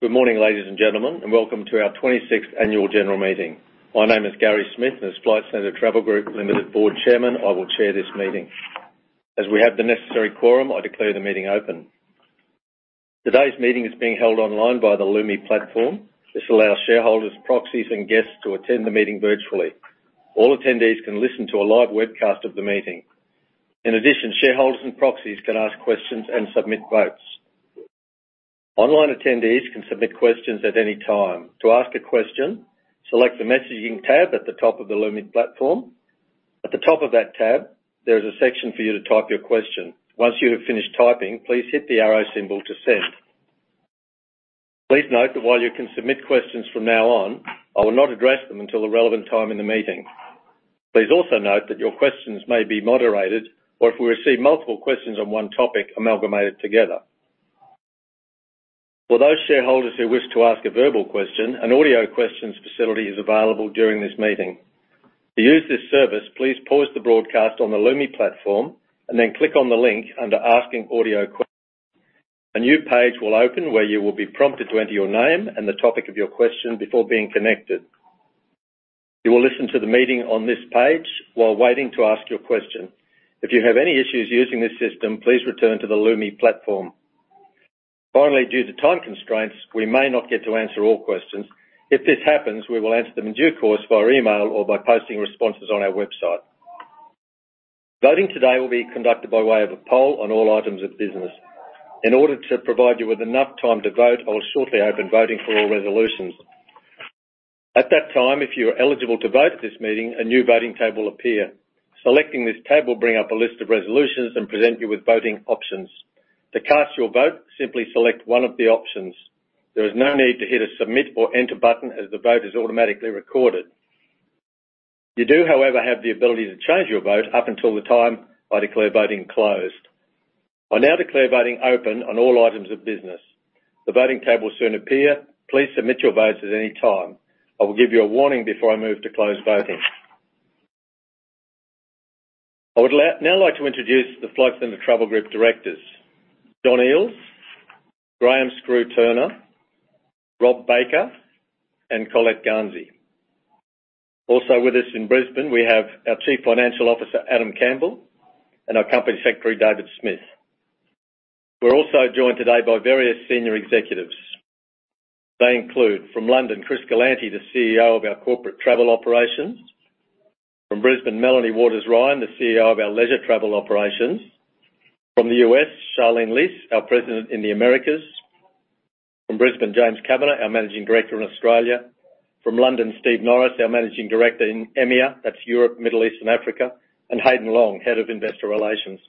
Good morning, ladies and gentlemen, and welcome to our 26th Annual General Meeting. My name is Gary Smith, and as Flight Centre Travel Group Limited Board Chairman, I will chair this meeting. As we have the necessary quorum, I declare the meeting open. Today's meeting is being held online by the Lumi platform. This allows shareholders, proxies, and guests to attend the meeting virtually. All attendees can listen to a live webcast of the meeting. In addition, shareholders and proxies can ask questions and submit votes. Online attendees can submit questions at any time. To ask a question, select the messaging tab at the top of the Lumi platform. At the top of that tab, there is a section for you to type your question. Once you have finished typing, please hit the arrow symbol to send. Please note that while you can submit questions from now on, I will not address them until the relevant time in the meeting. Please also note that your questions may be moderated, or if we receive multiple questions on one topic, amalgamated together. For those shareholders who wish to ask a verbal question, an audio questions facility is available during this meeting. To use this service, please pause the broadcast on the Lumi platform and then click on the link under asking audio. A new page will open where you will be prompted to enter your name and the topic of your question before being connected. You will listen to the meeting on this page while waiting to ask your question. If you have any issues using this system, please return to the Lumi platform. Finally, due to time constraints, we may not get to answer all questions. If this happens, we will answer them in due course via email or by posting responses on our website. Voting today will be conducted by way of a poll on all items of business. In order to provide you with enough time to vote, I will shortly open voting for all resolutions. At that time, if you are eligible to vote at this meeting, a new voting tab will appear. Selecting this tab will bring up a list of resolutions and present you with voting options. To cast your vote, simply select one of the options. There is no need to hit a submit or enter button as the vote is automatically recorded. You do, however, have the ability to change your vote up until the time I declare voting closed. I now declare voting open on all items of business. The voting tab will soon appear. Please submit your votes at any time. I will give you a warning before I move to close voting. I would now like to introduce the Flight Centre Travel Group directors, John Eales, Graham Turner, Robert Baker, and Colette Garnsey. Also with us in Brisbane, we have our Chief Financial Officer, Adam Campbell, and our Company Secretary, David Smith. We are also joined today by various senior executives. They include from London, Chris Galanty, the CEO of our corporate travel operations. From Brisbane, Melanie Waters-Ryan, the CEO of our leisure travel operations. From the U.S., Charlene Leiss, our President in the Americas. From Brisbane, James Kavanagh, our Managing Director in Australia. From London, Steve Norris, our Managing Director in EMEA, that's Europe, Middle East, and Africa, and Haydn Long, Head of Investor Relations.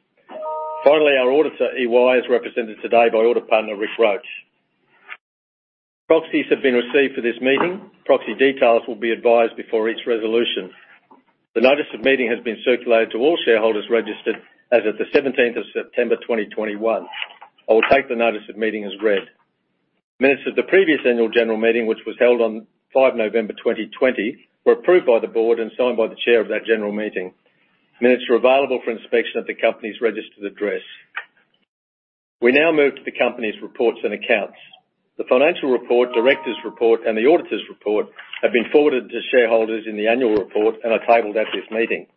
Finally, our auditor, EY, is represented today by Audit Partner Ric Roach. Proxies have been received for this meeting. Proxy details will be advised before each resolution. The notice of meeting has been circulated to all shareholders registered as of the 17th of September 2021. I will take the notice of meeting as read. Minutes of the previous annual general meeting, which was held on 5 November 2020, were approved by the board and signed by the chair of that general meeting. Minutes are available for inspection at the company's registered address. We now move to the company's reports and accounts. The financial report, Directors Report, and the Auditor's Report have been forwarded to shareholders in the annual report and are tabled at this meeting.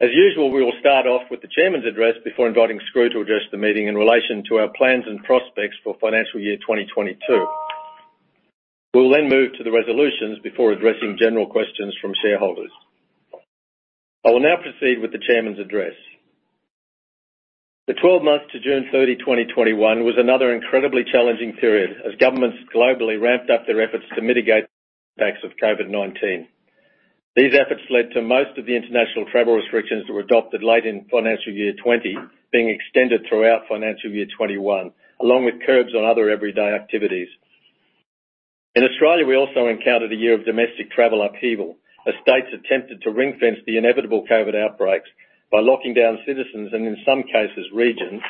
As usual, we will start off with the Chairman's address before inviting Skroo to address the meeting in relation to our plans and prospects for financial year 2022. We will then move to the resolutions before addressing general questions from shareholders. I will now proceed with the chairman's address. The 12 months to June 30, 2021, was another incredibly challenging period as governments globally ramped up their efforts to mitigate the impacts of COVID-19. These efforts led to most of the international travel restrictions that were adopted late in financial year 2020 being extended throughout financial year 2021, along with curbs on other everyday activities. In Australia, we also encountered a year of domestic travel upheaval as states attempted to ring-fence the inevitable COVID outbreaks by locking down citizens, and in some cases, regions,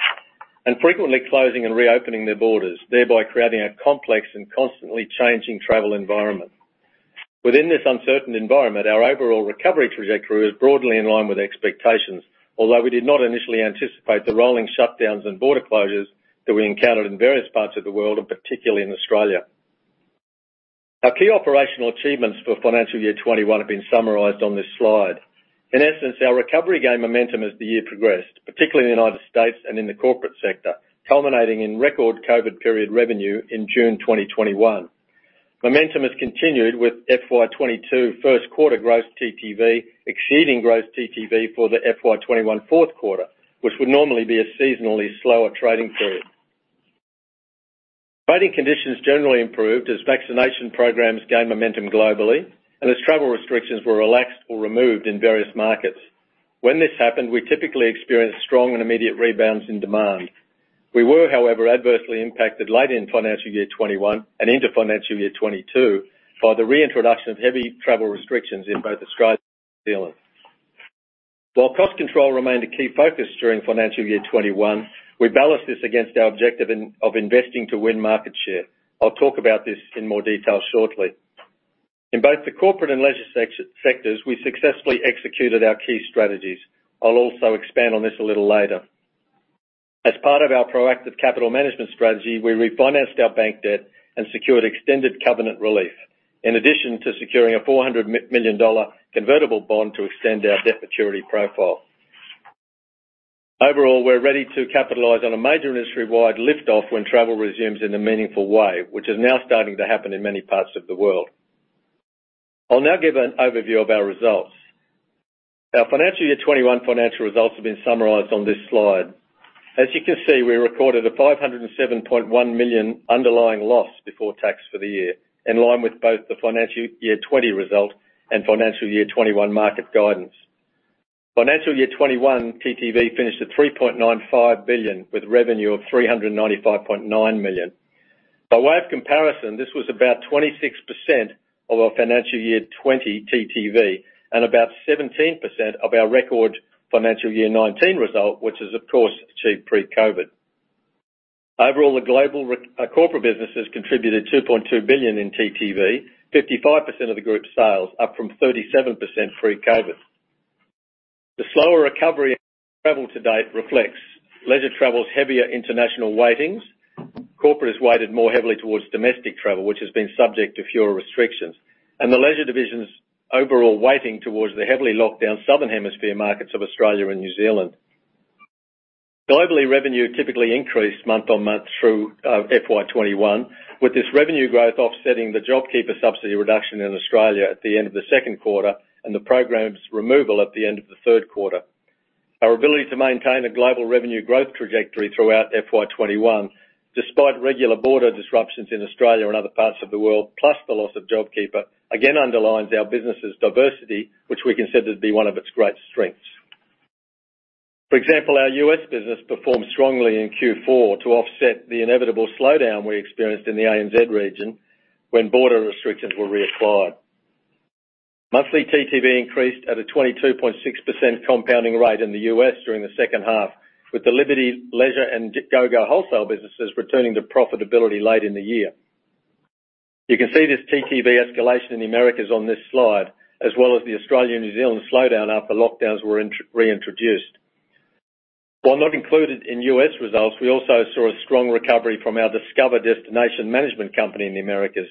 and frequently closing and reopening their borders, thereby creating a complex and constantly changing travel environment. Within this uncertain environment, our overall recovery trajectory is broadly in line with expectations. Although we did not initially anticipate the rolling shutdowns and border closures that we encountered in various parts of the world, and particularly in Australia. Our key operational achievements for financial year 2021 have been summarized on this slide. In essence, our recovery gained momentum as the year progressed, particularly in the U.S. and in the corporate sector, culminating in record COVID period revenue in June 2021. Momentum has continued with FY 2022 first quarter gross TTV exceeding gross TTV for the FY 2021 fourth quarter, which would normally be a seasonally slower trading period. Trading conditions generally improved as vaccination programs gained momentum globally and as travel restrictions were relaxed or removed in various markets. When this happened, we typically experienced strong and immediate rebounds in demand. We were, however, adversely impacted late in financial year 2021 and into financial year 2022 by the reintroduction of heavy travel restrictions in both Australia and New Zealand. While cost control remained a key focus during financial year 2021, we balanced this against our objective of investing to win market share. I'll talk about this in more detail shortly. In both the corporate and leisure sectors, we successfully executed our key strategies. I'll also expand on this a little later. As part of our proactive capital management strategy, we refinanced our bank debt and secured extended covenant relief, in addition to securing an 400 million dollar convertible bond to extend our debt maturity profile. Overall, we're ready to capitalize on a major industry-wide liftoff when travel resumes in a meaningful way, which is now starting to happen in many parts of the world. I'll now give an overview of our results. Our financial year 2021 financial results have been summarized on this slide. As you can see, we recorded an 507.1 million underlying loss before tax for the year, in line with both the financial year 2020 result and financial year 2021 market guidance. Financial year 2021 TTV finished at 3.95 billion with revenue of 395.9 million. By way of comparison, this was about 26% of our financial year 2020 TTV, and about 17% of our record financial year 2019 result, which was, of course, achieved pre-COVID-19. Overall, the global corporate business has contributed 2.2 billion in TTV, 55% of the group's sales, up from 37% pre-COVID-19. The slower recovery travel to date reflects leisure travel's heavier international weightings. Corporate is weighted more heavily towards domestic travel, which has been subject to fewer restrictions, and the leisure division's overall weighting towards the heavily locked down southern hemisphere markets of Australia and New Zealand. Globally, revenue typically increased month-on-month through FY 2021, with this revenue growth offsetting the JobKeeper subsidy reduction in Australia at the end of the second quarter, and the program's removal at the end of the third quarter. Our ability to maintain a global revenue growth trajectory throughout FY 2021, despite regular border disruptions in Australia and other parts of the world, plus the loss of JobKeeper, again underlines our business' diversity, which we consider to be one of its great strengths. For example, our U.S. business performed strongly in Q4 to offset the inevitable slowdown we experienced in the ANZ region when border restrictions were reapplied. Monthly TTV increased at a 22.6% compounding rate in the U.S. during the second half, with the Liberty Leisure and GOGO Vacations returning to profitability late in the year. You can see this TTV escalation in the Americas on this slide, as well as the Australia and New Zealand slowdown after lockdowns were reintroduced. While not included in U.S. results, we also saw a strong recovery from our Discover destination management company in the Americas.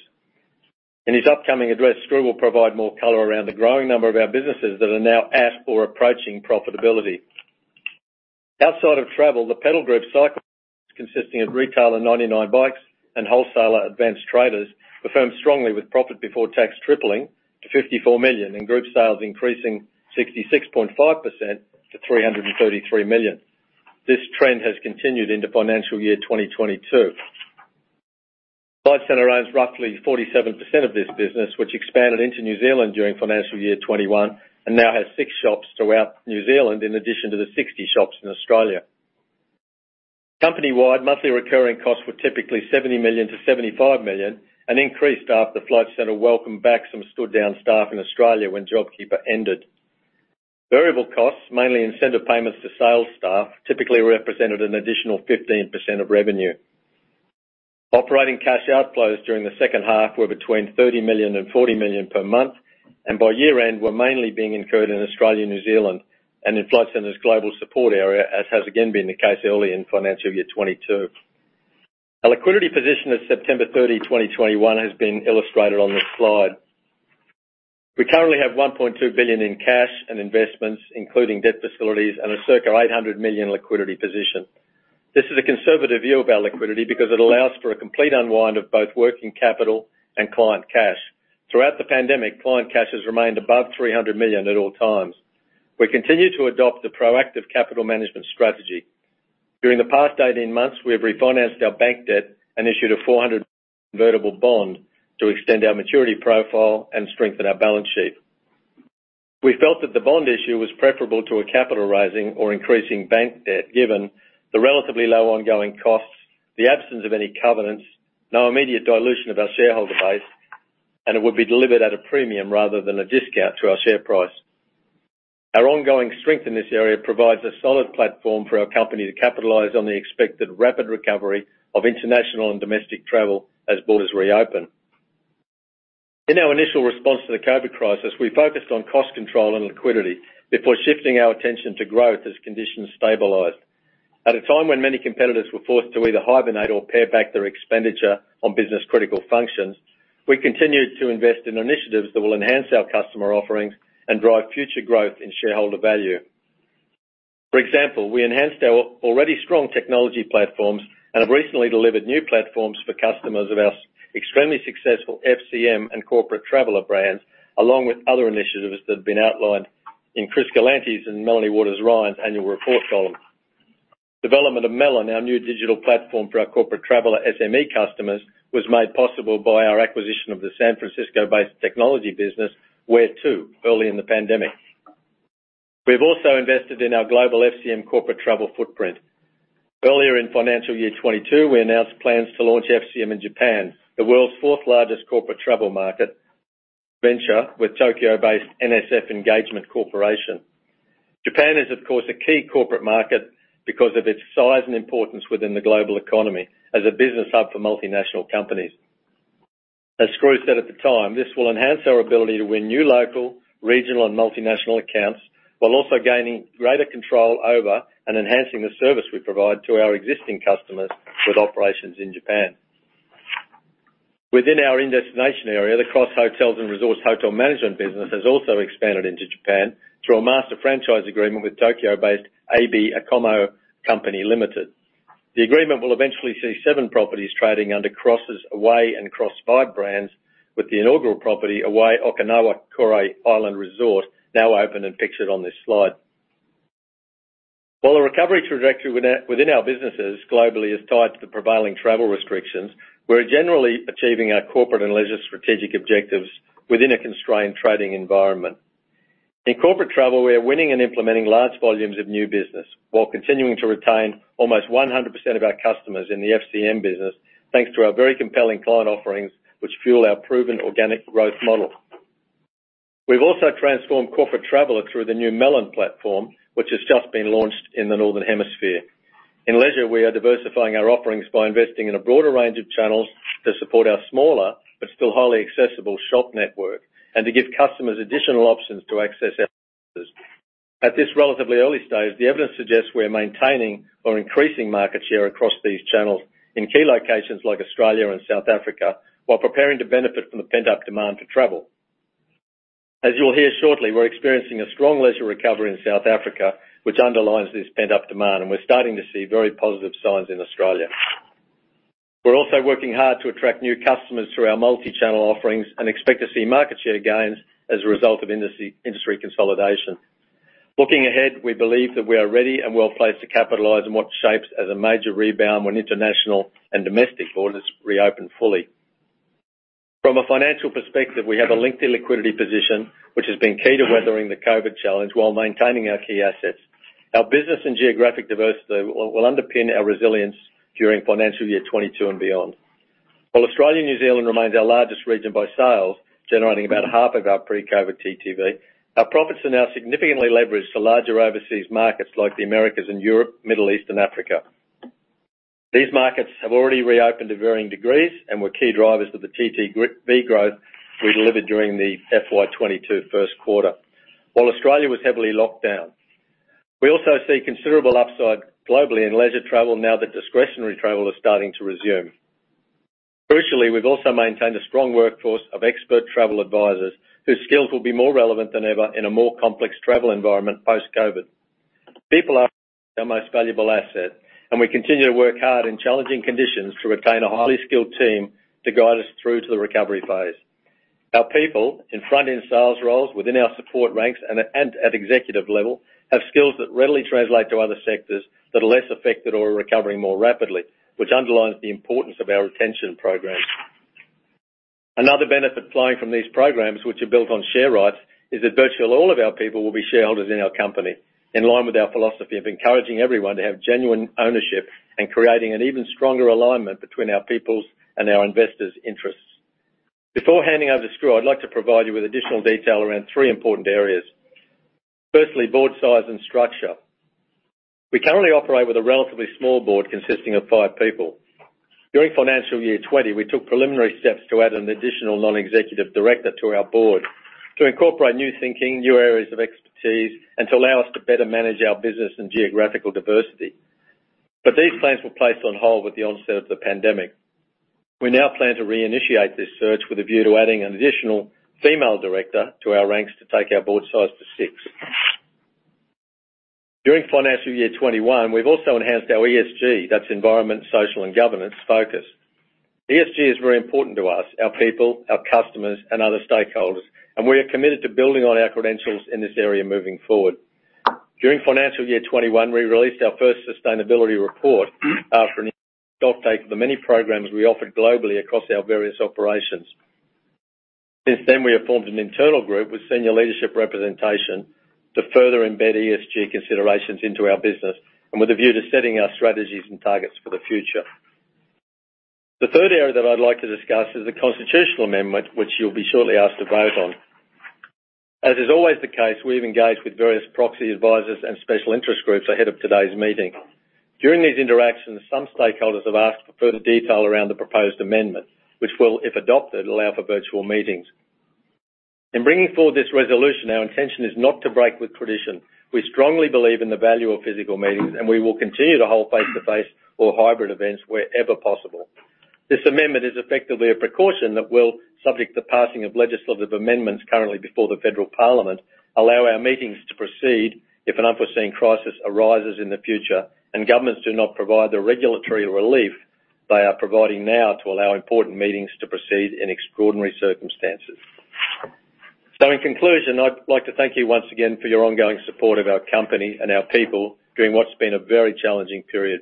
In his upcoming address, Skroo will provide more color around the growing number of our businesses that are now at or approaching profitability. Outside of travel, the Pedal Group cycle consisting of retailer 99 Bikes and wholesaler Advance Traders, performed strongly with profit before tax tripling to 54 million and group sales increasing 66.5% to 333 million. This trend has continued into financial year 2022. Flight Centre owns roughly 47% of this business, which expanded into New Zealand during financial year 2021, and now has six shops throughout New Zealand, in addition to the 60 shops in Australia. Company-wide monthly recurring costs were typically 70 million-75 million, and increased after Flight Centre welcomed back some stood down staff in Australia when JobKeeper ended. Variable costs, mainly incentive payments to sales staff, typically represented an additional 15% of revenue. Operating cash outflows during the second half were between 30 million and 40 million per month, and by year end, were mainly being incurred in Australia and New Zealand, and in Flight Centre's global support area, as has again been the case early in financial year 2022. Our liquidity position as of September 30, 2021, has been illustrated on this slide. We currently have 1.2 billion in cash and investments, including debt facilities and a circa 800 million liquidity position. This is a conservative view of our liquidity because it allows for a complete unwind of both working capital and client cash. Throughout the pandemic, client cash has remained above 300 million at all times. We continue to adopt the proactive capital management strategy. During the past 18 months, we have refinanced our bank debt and issued an 400 convertible bond to extend our maturity profile and strengthen our balance sheet. We felt that the bond issue was preferable to a capital raising or increasing bank debt, given the relatively low ongoing costs, the absence of any covenants, no immediate dilution of our shareholder base, and it would be delivered at a premium rather than a discount to our share price. Our ongoing strength in this area provides a solid platform for our company to capitalize on the expected rapid recovery of international and domestic travel as borders reopen. In our initial response to the COVID-19 crisis, we focused on cost control and liquidity before shifting our attention to growth as conditions stabilized. At a time when many competitors were forced to either hibernate or pare back their expenditure on business critical functions, we continued to invest in initiatives that will enhance our customer offerings and drive future growth in shareholder value. For example, we enhanced our already strong technology platforms and have recently delivered new platforms for customers of our extremely successful FCM and Corporate Traveller brands, along with other initiatives that have been outlined in Chris Galanty's and Melanie Waters-Ryan's annual report column. Development of Melon, our new digital platform for our Corporate Traveller SME customers, was made possible by our acquisition of the San Francisco-based technology business WhereTo early in the pandemic. We've also invested in our global FCM corporate travel footprint. Earlier in FY 2022, we announced plans to launch FCM in Japan, the world's fourth largest corporate travel market, venture with Tokyo-based NSF Engagement Corporation. Japan is of course a key corporate market because of its size and importance within the global economy as a business hub for multinational companies. As Skroo said at the time, this will enhance our ability to win new local, regional, and multinational accounts, while also gaining greater control over and enhancing the service we provide to our existing customers with operations in Japan. Within our in destination area, the Cross Hotels & Resorts business has also expanded into Japan through a master franchise agreement with Tokyo-based AB Akomo Company Limited. The agreement will eventually see seven properties trading under Cross' Away and Cross Vibe brands with the inaugural property Away Okinawa Kouri Island Resort now open and pictured on this slide. While the recovery trajectory within our businesses globally is tied to the prevailing travel restrictions, we're generally achieving our corporate and leisure strategic objectives within a constrained trading environment. In corporate travel, we are winning and implementing large volumes of new business while continuing to retain almost 100% of our customers in the FCM business, thanks to our very compelling client offerings which fuel our proven organic growth model. We've also transformed corporate travel through the new Melon platform, which has just been launched in the Northern Hemisphere. In leisure, we are diversifying our offerings by investing in a broader range of channels to support our smaller but still highly accessible shop network, and to give customers additional options to access our services. At this relatively early stage, the evidence suggests we are maintaining or increasing market share across these channels in key locations like Australia and South Africa while preparing to benefit from the pent-up demand to travel. As you'll hear shortly, we're experiencing a strong leisure recovery in South Africa, which underlines this pent-up demand, and we're starting to see very positive signs in Australia. We're also working hard to attract new customers through our multi-channel offerings and expect to see market share gains as a result of industry consolidation. Looking ahead, we believe that we are ready and well-placed to capitalize on what shapes as a major rebound when international and domestic borders reopen fully. From a financial perspective, we have a lengthy liquidity position, which has been key to weathering the COVID challenge while maintaining our key assets. Our business and geographic diversity will underpin our resilience during financial year 2022 and beyond. While Australia and New Zealand remains our largest region by sales, generating about half of our pre-COVID TTV, our profits are now significantly leveraged to larger overseas markets like the Americas and Europe, Middle East, and Africa. These markets have already reopened to varying degrees and were key drivers of the TTV growth we delivered during the FY 2022 first quarter while Australia was heavily locked down. We also see considerable upside globally in leisure travel now that discretionary travel is starting to resume. Crucially, we've also maintained a strong workforce of expert travel advisors whose skills will be more relevant than ever in a more complex travel environment post-COVID. People are our most valuable asset, and we continue to work hard in challenging conditions to retain a highly skilled team to guide us through to the recovery phase. Our people in front-end sales roles within our support ranks and at executive level, have skills that readily translate to other sectors that are less affected or are recovering more rapidly, which underlines the importance of our retention programs. Another benefit flowing from these programs, which are built on share rights, is that virtually all of our people will be shareholders in our company, in line with our philosophy of encouraging everyone to have genuine ownership and creating an even stronger alignment between our people's and our investors' interests. Before handing over to Skroo, I'd like to provide you with additional detail around three important areas. Firstly, board size and structure. We currently operate with a relatively small board consisting of five people. During financial year 2020, we took preliminary steps to add an additional non-executive director to our board to incorporate new thinking, new areas of expertise, and to allow us to better manage our business and geographical diversity. These plans were placed on hold with the onset of the pandemic. We now plan to reinitiate this search with a view to adding an additional female director to our ranks to take our board size to six. During financial year 2021, we've also enhanced our ESG, that's environment, social, and governance focus. ESG is very important to us, our people, our customers, and other stakeholders, and we are committed to building on our credentials in this area moving forward. During financial year 2021, we released our first sustainability report after an stocktake of the many programs we offered globally across our various operations. Since then, we have formed an internal group with senior leadership representation to further embed ESG considerations into our business and with a view to setting our strategies and targets for the future. The third area that I'd like to discuss is the constitutional amendment which you'll be shortly asked to vote on. As is always the case, we've engaged with various proxy advisors and special interest groups ahead of today's meeting. During these interactions, some stakeholders have asked for further detail around the proposed amendment, which will, if adopted, allow for virtual meetings. In bringing forward this resolution, our intention is not to break with tradition. We strongly believe in the value of physical meetings, and we will continue to hold face-to-face or hybrid events wherever possible. This amendment is effectively a precaution that will, subject to passing of legislative amendments currently before the Federal Parliament, allow our meetings to proceed if an unforeseen crisis arises in the future and governments do not provide the regulatory relief they are providing now to allow important meetings to proceed in extraordinary circumstances. In conclusion, I'd like to thank you once again for your ongoing support of our company and our people during what's been a very challenging period.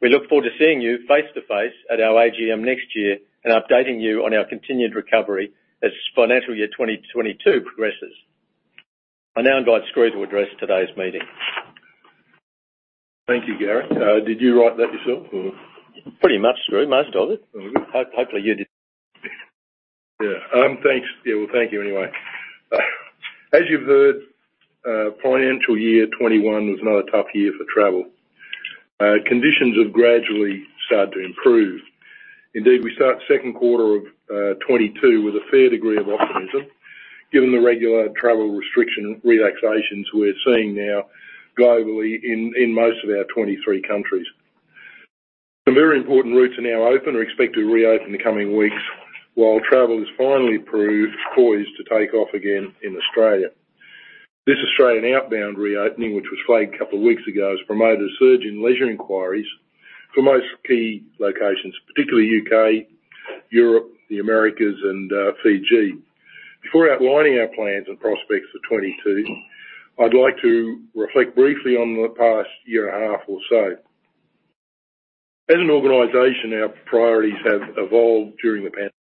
We look forward to seeing you face-to-face at our AGM next year and updating you on our continued recovery as financial year 2022 progresses. I now invite Skroo to address today's meeting. Thank you, Gary. Did you write that yourself or? Pretty much, most of it. Good. Hopefully you did. Yeah. Thanks. Yeah, well, thank you anyway. As you've heard, financial year 2021 was another tough year for travel. Conditions have gradually started to improve. Indeed, we start second quarter of 2022 with a fair degree of optimism, given the regular travel restriction relaxations we're seeing now globally in most of our 23 countries. Some very important routes are now open or expected to reopen in the coming weeks, while travel has finally proved poised to take off again in Australia. This Australian outbound reopening, which was flagged a couple of weeks ago, has promoted a surge in leisure inquiries for most key locations, particularly U.K., Europe, the Americas, and Fiji. Before outlining our plans and prospects for 2022, I'd like to reflect briefly on the past 1.5 Years or so. As an organization, our priorities have evolved during the pandemic.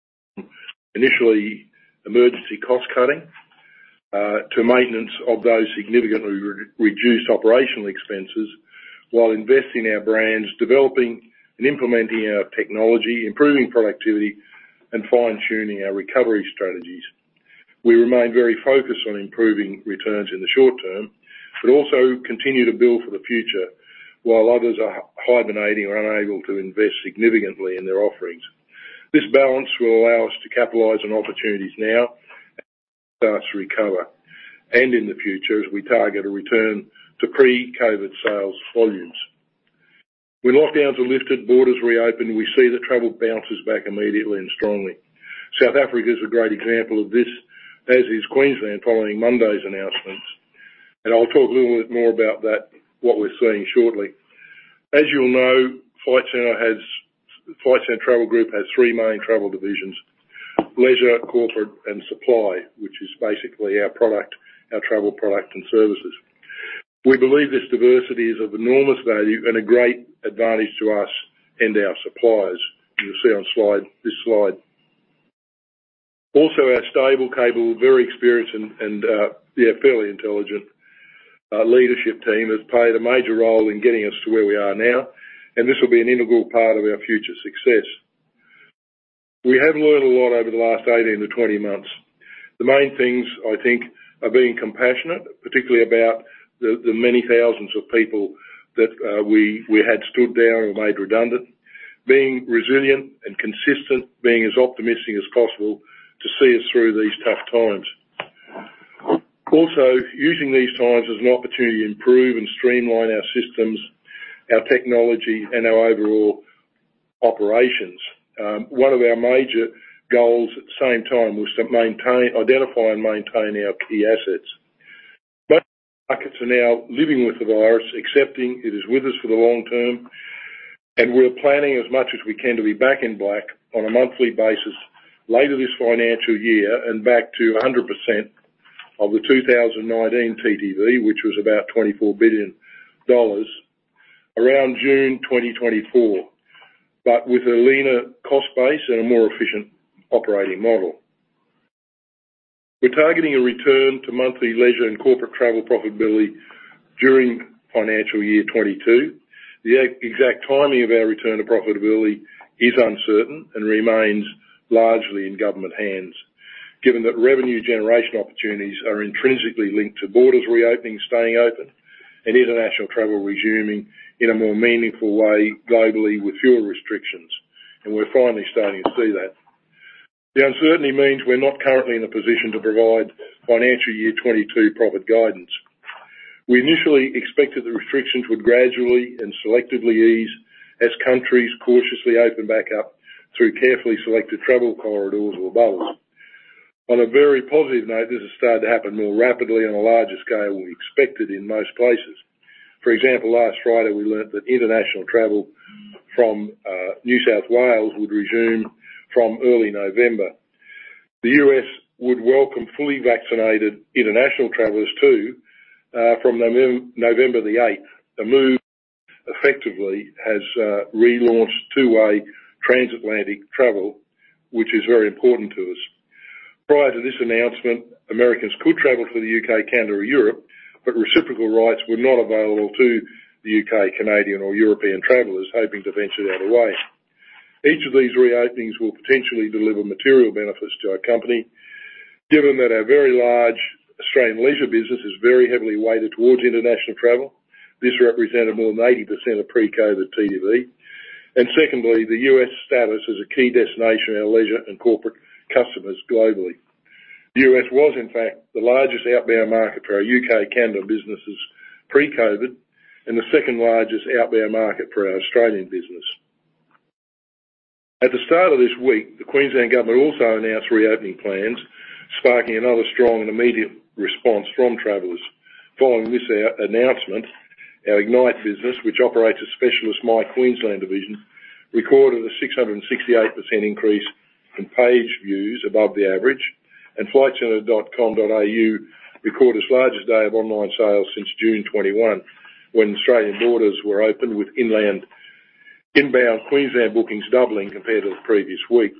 Initially, emergency cost-cutting, to maintenance of those significantly reduced operational expenses while investing in our brands, developing and implementing our technology, improving productivity, and fine-tuning our recovery strategies. We remain very focused on improving returns in the short term, but also continue to build for the future while others are hibernating or unable to invest significantly in their offerings. This balance will allow us to capitalize on opportunities now as demand starts to recover, and in the future as we target a return to pre-COVID sales volumes. When lockdowns are lifted, borders reopen, we see that travel bounces back immediately and strongly. South Africa is a great example of this, as is Queensland following Monday's announcements. I'll talk a little bit more about that, what we're seeing shortly. As you all know, Flight Centre Travel Group has three main travel divisions: leisure, corporate, and supply, which is basically our travel product and services. We believe this diversity is of enormous value and a great advantage to us and our suppliers, as you'll see on this slide. Our stable, capable, very experienced, and fairly intelligent leadership team has played a major role in getting us to where we are now, and this will be an integral part of our future success. We have learned a lot over the last 18-20 months. The main things, I think, are being compassionate, particularly about the many thousands of people that we had stood down or made redundant, being resilient and consistent, being as optimistic as possible to see us through these tough times. Also, using these times as an opportunity to improve and streamline our systems, our technology, and our overall operations. One of our major goals at the same time was to identify and maintain our key assets. Most markets are now living with the virus, accepting it is with us for the long term, and we're planning as much as we can to be back in black on a monthly basis later this financial year and back to 100% of the 2019 TTV, which was about 24 billion dollars, around June 2024, but with a leaner cost base and a more efficient operating model. We're targeting a return to monthly leisure and corporate travel profitability during financial year 2022. The exact timing of our return to profitability is uncertain and remains largely in government hands, given that revenue generation opportunities are intrinsically linked to borders reopening, staying open, international travel resuming in a more meaningful way globally with fewer restrictions, we're finally starting to see that. The uncertainty means we're not currently in a position to provide financial year 2022 profit guidance. We initially expected the restrictions would gradually and selectively ease as countries cautiously open back up through carefully selected travel corridors or bubbles. On a very positive note, this has started to happen more rapidly on a larger scale than we expected in most places. For example, last Friday we learned that international travel from New South Wales would resume from early November. The U.S. would welcome fully vaccinated international travelers too from November the 8th. The move effectively has relaunched two-way transatlantic travel, which is very important to us. Prior to this announcement, Americans could travel to the U.K., Canada, or Europe, but reciprocal rights were not available to the U.K., Canadian, or European travelers hoping to venture the other way. Each of these reopenings will potentially deliver material benefits to our company, given that our very large Australian leisure business is very heavily weighted towards international travel. This represented more than 80% of pre-COVID TTV. Secondly, the U.S. status as a key destination of our leisure and corporate customers globally. The U.S. was, in fact, the largest outbound market for our U.K., Canada businesses pre-COVID, and the second largest outbound market for our Australian business. At the start of this week, the Queensland government also announced reopening plans, sparking another strong and immediate response from travelers. Following this announcement, our Ignite business, which operates a specialist My Queensland division, recorded a 668% increase in page views above the average, and flightcentre.com.au recorded its largest day of online sales since June 2021, when Australian borders were opened with inbound Queensland bookings doubling compared to the previous week.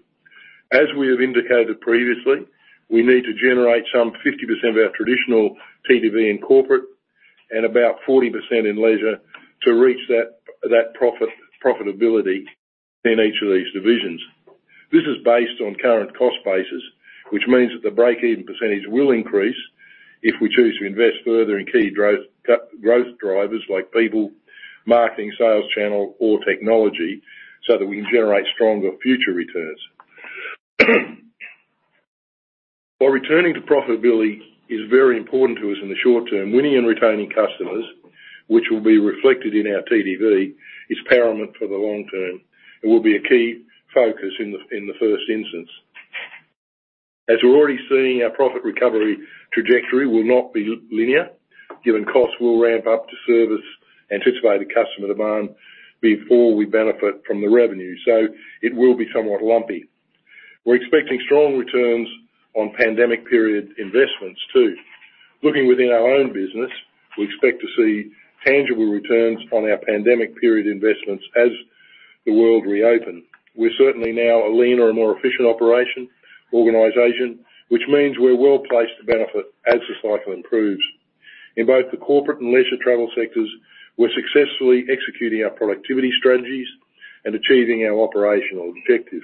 As we have indicated previously, we need to generate some 50% of our traditional TTV in corporate and about 40% in leisure to reach that profitability in each of these divisions. This is based on current cost bases, which means that the break-even percentage will increase if we choose to invest further in key growth drivers like people, marketing, sales channel, or technology so that we can generate stronger future returns. While returning to profitability is very important to us in the short term, winning and retaining customers, which will be reflected in our TTV, is paramount for the long term and will be a key focus in the first instance. As we're already seeing, our profit recovery trajectory will not be linear, given costs will ramp up to service anticipated customer demand before we benefit from the revenue. It will be somewhat lumpy. We're expecting strong returns on pandemic period investments too. Looking within our own business, we expect to see tangible returns on our pandemic period investments as the world reopen. We're certainly now a leaner and more efficient operational organization, which means we're well-placed to benefit as the cycle improves. In both the corporate and leisure travel sectors, we're successfully executing our productivity strategies and achieving our operational objectives.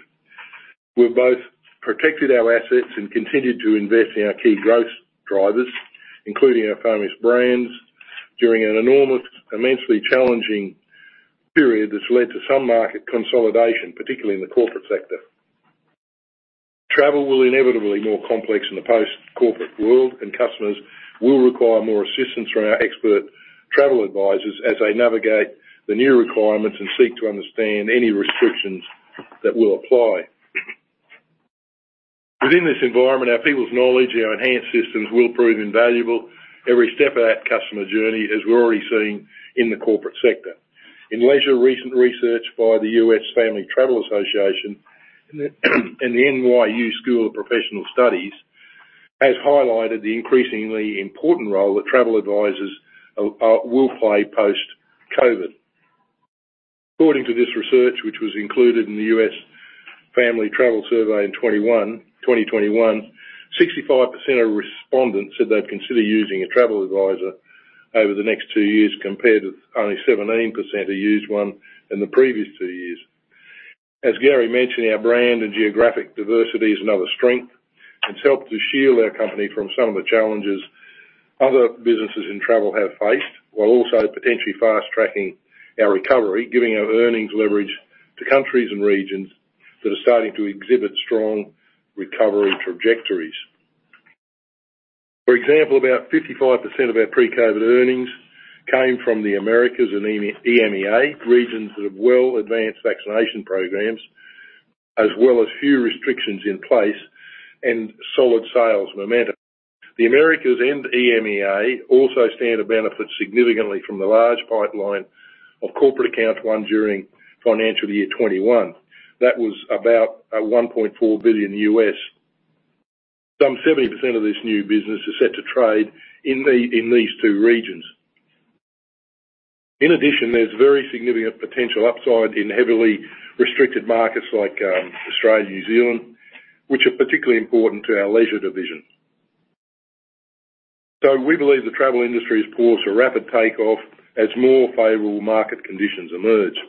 We've both protected our assets and continued to invest in our key growth drivers, including our famous brands, during an enormous, immensely challenging period that's led to some market consolidation, particularly in the corporate sector. Travel will inevitably be more complex in the post-corporate world, and customers will require more assistance from our expert travel advisors as they navigate the new requirements and seek to understand any restrictions that will apply. Within this environment, our people's knowledge and our enhanced systems will prove invaluable every step of that customer journey, as we're already seeing in the corporate sector. In leisure, recent research by the U.S. Family Travel Association and the NYU School of Professional Studies has highlighted the increasingly important role that travel advisors will play post-COVID. According to this research, which was included in the U.S. Family Travel Survey in 2021, 65% of respondents said they'd consider using a travel advisor over the next two years, compared with only 17% who used one in the previous two years. As Gary mentioned, our brand and geographic diversity is another strength. It's helped to shield our company from some of the challenges other businesses in travel have faced, while also potentially fast-tracking our recovery, giving our earnings leverage to countries and regions that are starting to exhibit strong recovery trajectories. For example, about 55% of our pre-COVID earnings came from the Americas and EMEA, regions that have well-advanced vaccination programs, as well as few restrictions in place and solid sales momentum. The Americas and EMEA also stand to benefit significantly from the large pipeline of corporate accounts won during FY 2021. That was about $1.4 billion USD. Some 70% of this new business is set to trade in these two regions. In addition, there's very significant potential upside in heavily restricted markets like Australia and New Zealand, which are particularly important to our leisure division. We believe the travel industry is poised for rapid takeoff as more favorable market conditions emerge.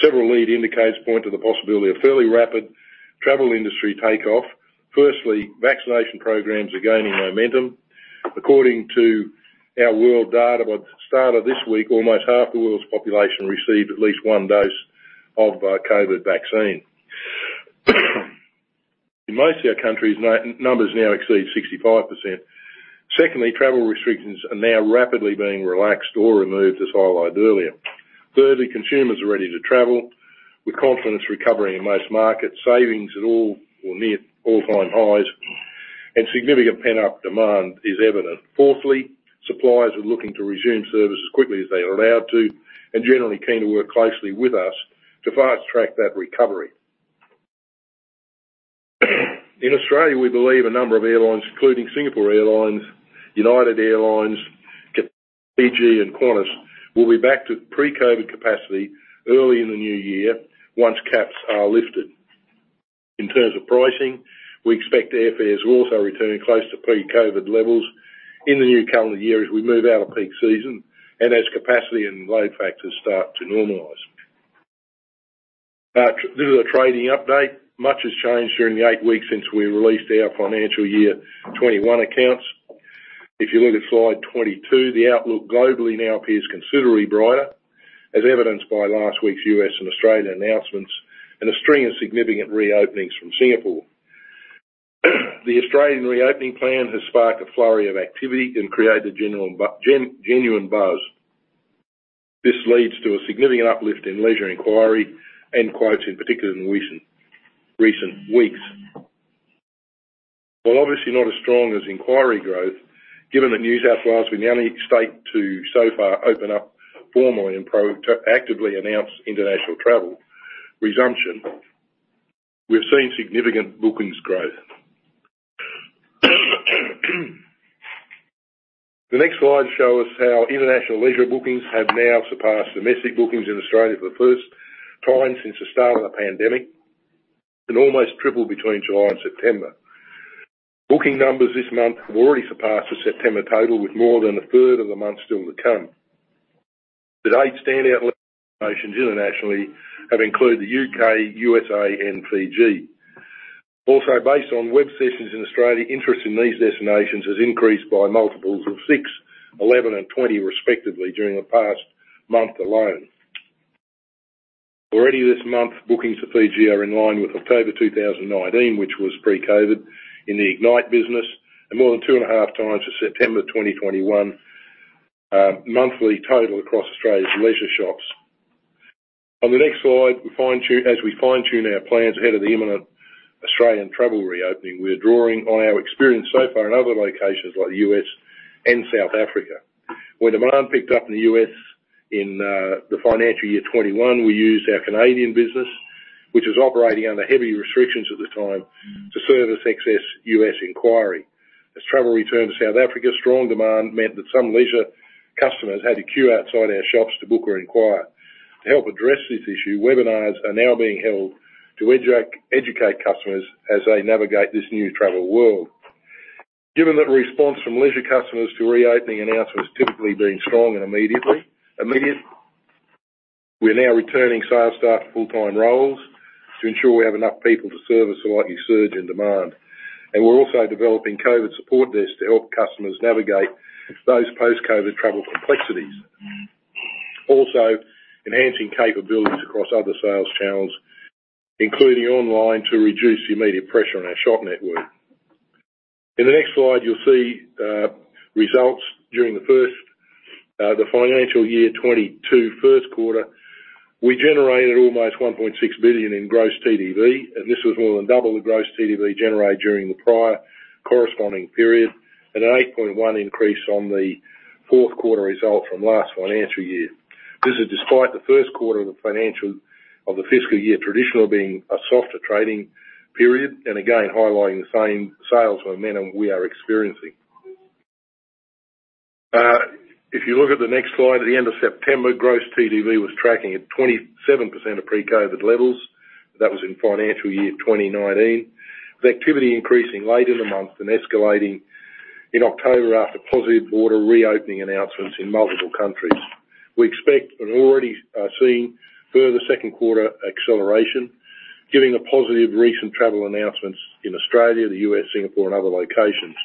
Several lead indicators point to the possibility of fairly rapid travel industry takeoff. Firstly, vaccination programs are gaining momentum. According to our world data, by the start of this week, almost half the world's population received at least one dose of COVID vaccine. In most of our countries, numbers now exceed 65%. Secondly, travel restrictions are now rapidly being relaxed or removed, as highlighted earlier. Thirdly, consumers are ready to travel with confidence recovering in most markets, savings at all or near all-time highs, and significant pent-up demand is evident. Fourthly, suppliers are looking to resume service as quickly as they are allowed to and generally keen to work closely with us to fast-track that recovery. In Australia, we believe a number of airlines, including Singapore Airlines, United Airlines, Qantas, will be back to pre-COVID capacity early in the new year once caps are lifted. In terms of pricing, we expect airfares will also return close to pre-COVID levels in the new calendar year as we move out of peak season and as capacity and load factors start to normalize. To the trading update. Much has changed during the eight weeks since we released our financial year 2021 accounts. If you look at slide 22, the outlook globally now appears considerably brighter, as evidenced by last week's U.S. and Australia announcements and a string of significant reopenings from Singapore. The Australian reopening plan has sparked a flurry of activity and created genuine buzz. This leads to a significant uplift in leisure inquiry and quotes, in particular in recent weeks. While obviously not as strong as inquiry growth, given that New South Wales is the only state to so far open up formally and actively announce international travel resumption, we've seen significant bookings growth. The next slide shows how international leisure bookings have now surpassed domestic bookings in Australia for the first time since the start of the pandemic and almost tripled between July and September. Booking numbers this month have already surpassed the September total, with more than a third of the month still to come. To date, standout leisure destinations internationally have included the U.K., USA, and Fiji. Based on web sessions in Australia, interest in these destinations has increased by multiples of 6, 11, and 20 respectively during the past month alone. Already this month, bookings to Fiji are in line with October 2019, which was pre-COVID, in the Ignite business, and more than two and a half times the September 2021 monthly total across Australia's leisure shops. On the next slide, as we fine-tune our plans ahead of the imminent Australian travel reopening, we are drawing on our experience so far in other locations like the U.S. and South Africa. When demand picked up in the U.S. in the financial year 2021, we used our Canadian business, which was operating under heavy restrictions at the time, to service excess U.S. inquiry. As travel returned to South Africa, strong demand meant that some leisure customers had to queue outside our shops to book or inquire. To help address this issue, webinars are now being held to educate customers as they navigate this new travel world. Given that response from leisure customers to reopening announcements has typically been strong and immediate, we are now returning sales staff to full-time roles to ensure we have enough people to service a likely surge in demand. We're also developing COVID support desks to help customers navigate those post-COVID travel complexities. Also, enhancing capabilities across other sales channels, including online, to reduce the immediate pressure on our shop network. In the next slide, you'll see results during the FY 2022 first quarter. We generated almost 1.6 billion in gross TTV, and this was more than double the gross TTV generated during the prior corresponding period and an 8.1% increase on the fourth quarter result from last financial year. This is despite the first quarter of the fiscal year traditionally being a softer trading period, and again highlighting the same sales momentum we are experiencing. If you look at the next slide, at the end of September, gross TTV was tracking at 27% of pre-COVID levels. That was in financial year 2019. With activity increasing late in the month and escalating in October after positive border reopening announcements in multiple countries. We expect and already are seeing further second quarter acceleration, giving the positive recent travel announcements in Australia, the U.S., Singapore, and other locations.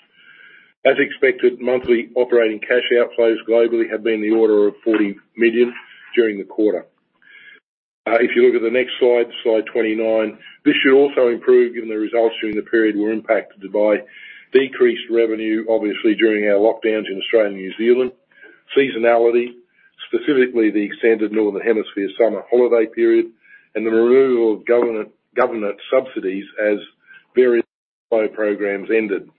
As expected, monthly operating cash outflows globally have been in the order of 40 million during the quarter. If you look at the next slide 29, this should also improve given the results during the period were impacted by decreased revenue, obviously, during our lockdowns in Australia and New Zealand, seasonality, specifically the extended Northern Hemisphere summer holiday period, and the removal of government subsidies as various flow programs ended.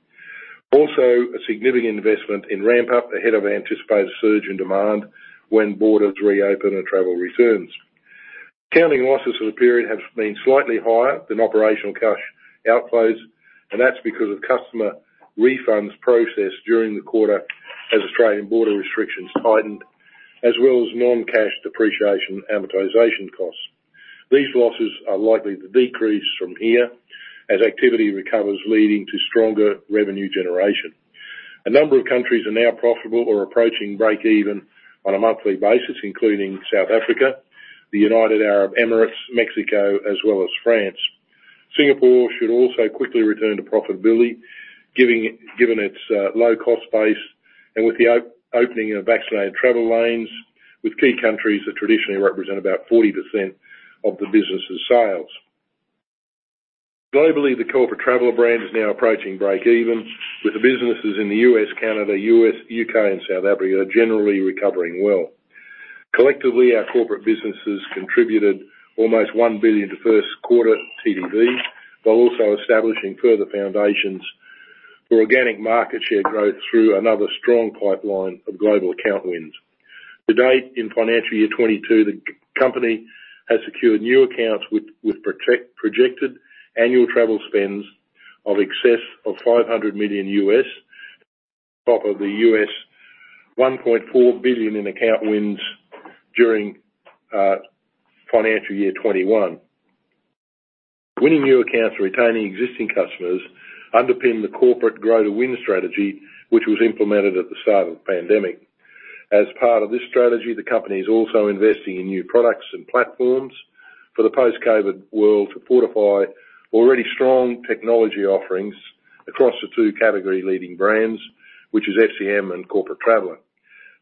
A significant investment in ramp-up ahead of anticipated surge in demand when borders reopen and travel returns. Counting losses for the period have been slightly higher than operational cash outflows, and that's because of customer refunds processed during the quarter as Australian border restrictions tightened, as well as non-cash depreciation amortization costs. These losses are likely to decrease from here as activity recovers, leading to stronger revenue generation. A number of countries are now profitable or approaching break even on a monthly basis, including South Africa, the United Arab Emirates, Mexico, as well as France. Singapore should also quickly return to profitability given its low-cost base and with the opening of vaccinated travel lanes with key countries that traditionally represent about 40% of the business' sales. Globally, the Corporate Traveller brand is now approaching break even, with the businesses in the U.S., Canada, U.S., U.K., and South Africa generally recovering well. Collectively, our corporate businesses contributed almost 1 billion to first quarter TTV, while also establishing further foundations for organic market share growth through another strong pipeline of global account wins. To date, in financial year 2022, the company has secured new accounts with projected annual travel spends of excess of $500 million, on top of the $1.4 billion in account wins during financial year 2021. Winning new accounts and retaining existing customers underpin the corporate Grow to Win strategy, which was implemented at the start of the pandemic. As part of this strategy, the company is also investing in new products and platforms for the post-COVID world to fortify already strong technology offerings across the two category-leading brands, which is FCM and Corporate Traveller.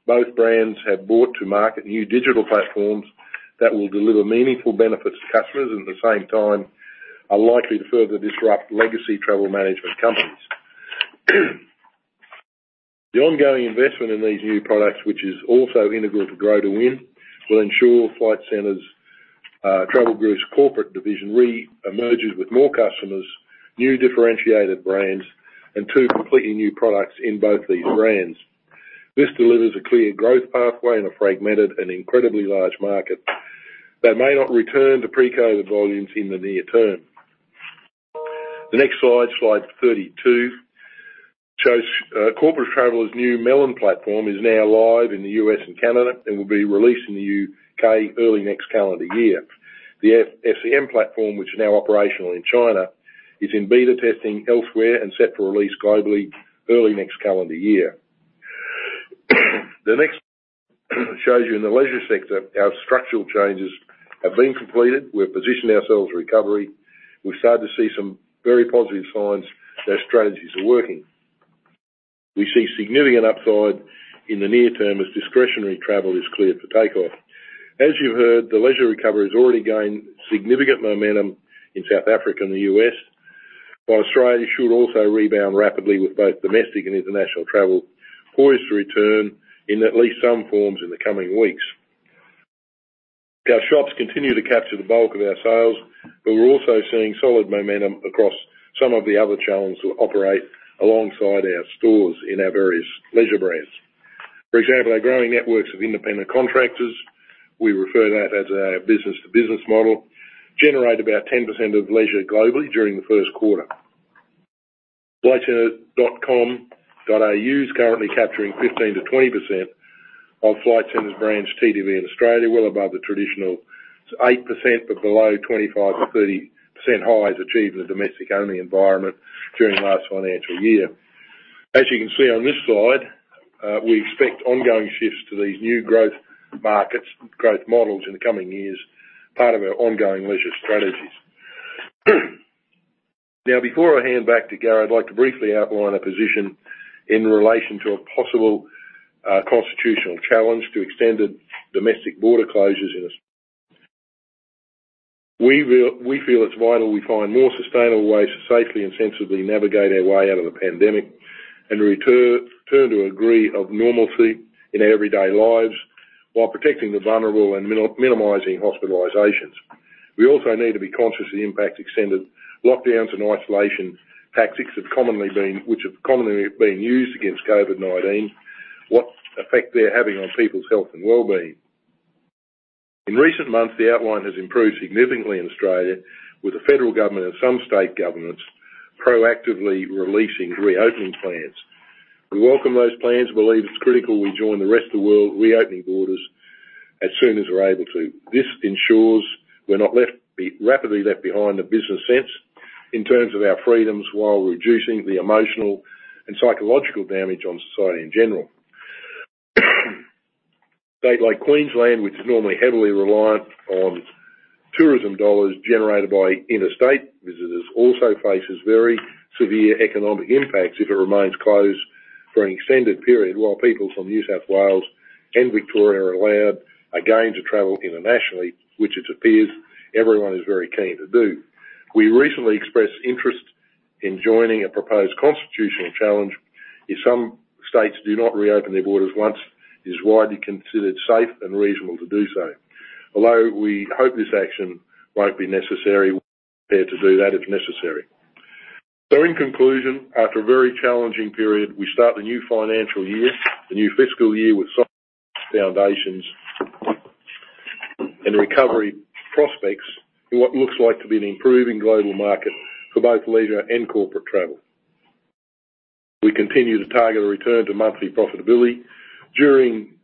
Both brands have brought to market new digital platforms that will deliver meaningful benefits to customers and, at the same time, are likely to further disrupt legacy travel management companies. The ongoing investment in these new products, which is also integral to Grow to Win, will ensure Flight Centre Travel Group's corporate division re-emerges with more customers, new differentiated brands, and two completely new products in both these brands. This delivers a clear growth pathway in a fragmented and incredibly large market that may not return to pre-COVID volumes in the near term. The next slide 32, shows Corporate Traveller's new Melon platform is now live in the U.S. and Canada and will be released in the U.K. early next calendar year. The FCM platform, which is now operational in China, is in beta testing elsewhere and set for release globally early next calendar year. The next shows you in the leisure sector, our structural changes have been completed. We've positioned ourselves for recovery. We've started to see some very positive signs that our strategies are working. We see significant upside in the near term as discretionary travel is cleared for takeoff. As you heard, the leisure recovery has already gained significant momentum in South Africa and the U.S. Australia should also rebound rapidly with both domestic and international travel poised to return in at least some forms in the coming weeks. Our shops continue to capture the bulk of our sales, we're also seeing solid momentum across some of the other channels that operate alongside our stores in our various leisure brands. For example, our growing networks of independent contractors, we refer to that as our business-to-business model, generate about 10% of leisure globally during the first quarter. flightcentre.com.au is currently capturing 15%-20% of Flight Centre's brands TTV in Australia, well above the traditional 8%, below 25%-30% highs achieved in a domestic-only environment during last financial year. As you can see on this slide, we expect ongoing shifts to these new growth markets, growth models in the coming years, part of our ongoing leisure strategies. Before I hand back to Gary, I'd like to briefly outline a position in relation to a possible constitutional challenge to extended domestic border closures. We feel it's vital we find more sustainable ways to safely and sensibly navigate our way out of the pandemic and return to a degree of normalcy in our everyday lives while protecting the vulnerable and minimizing hospitalizations. We also need to be conscious of the impact extended lockdowns and isolation tactics which have commonly been used against COVID-19, what effect they're having on people's health and wellbeing. In recent months, the outline has improved significantly in Australia with the federal government and some state governments proactively releasing reopening plans. We welcome those plans and believe it's critical we join the rest of the world reopening borders as soon as we're able to. This ensures we're not rapidly left behind in a business sense in terms of our freedoms while reducing the emotional and psychological damage on society in general. A state like Queensland, which is normally heavily reliant on tourism dollars generated by interstate visitors, also faces very severe economic impacts if it remains closed for an extended period while people from New South Wales and Victoria are allowed again to travel internationally, which it appears everyone is very keen to do. We recently expressed interest in joining a proposed constitutional challenge if some states do not reopen their borders once it is widely considered safe and reasonable to do so. Although we hope this action won't be necessary, we're prepared to do that if necessary. In conclusion, after a very challenging period, we start the new financial year, the new fiscal year with solid foundations and recovery prospects in what looks like to be an improving global market for both leisure and corporate travel. We continue to target a return to monthly profitability during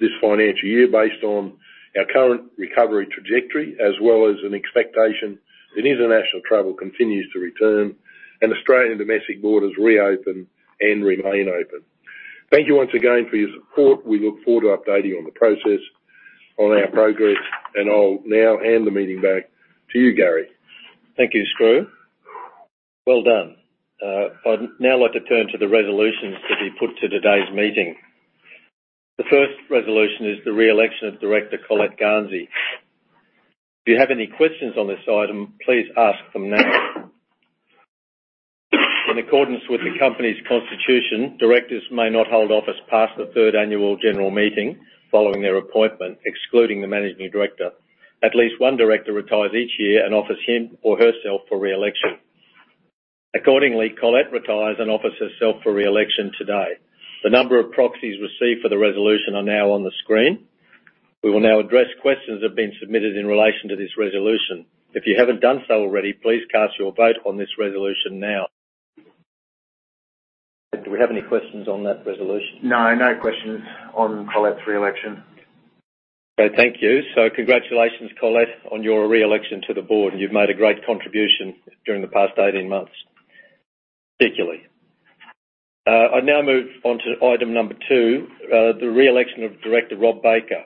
this financial year based on our current recovery trajectory, as well as an expectation that international travel continues to return and Australian domestic borders reopen and remain open. Thank you once again for your support. We look forward to updating you on our progress, and I'll now hand the meeting back to you, Gary. Thank you, Skroo. Well done. I'd now like to turn to the resolutions to be put to today's meeting. The first resolution is the re-election of Director Colette Garnsey. If you have any questions on this item, please ask them now. In accordance with the company's constitution, directors may not hold office past the third annual general meeting following their appointment, excluding the Managing Director. At least one director retires each year and offers him or herself for re-election. Accordingly, Colette retires and offers herself for re-election today. The number of proxies received for the resolution are now on the screen. We will now address questions that have been submitted in relation to this resolution. If you haven't done so already, please cast your vote on this resolution now. Do we have any questions on that resolution? No. No questions on Colette's re-election. Thank you. Congratulations, Colette, on your re-election to the board. You've made a great contribution during the past 18 months, particularly. I now move on to item number 2, the re-election of Director Robert Baker.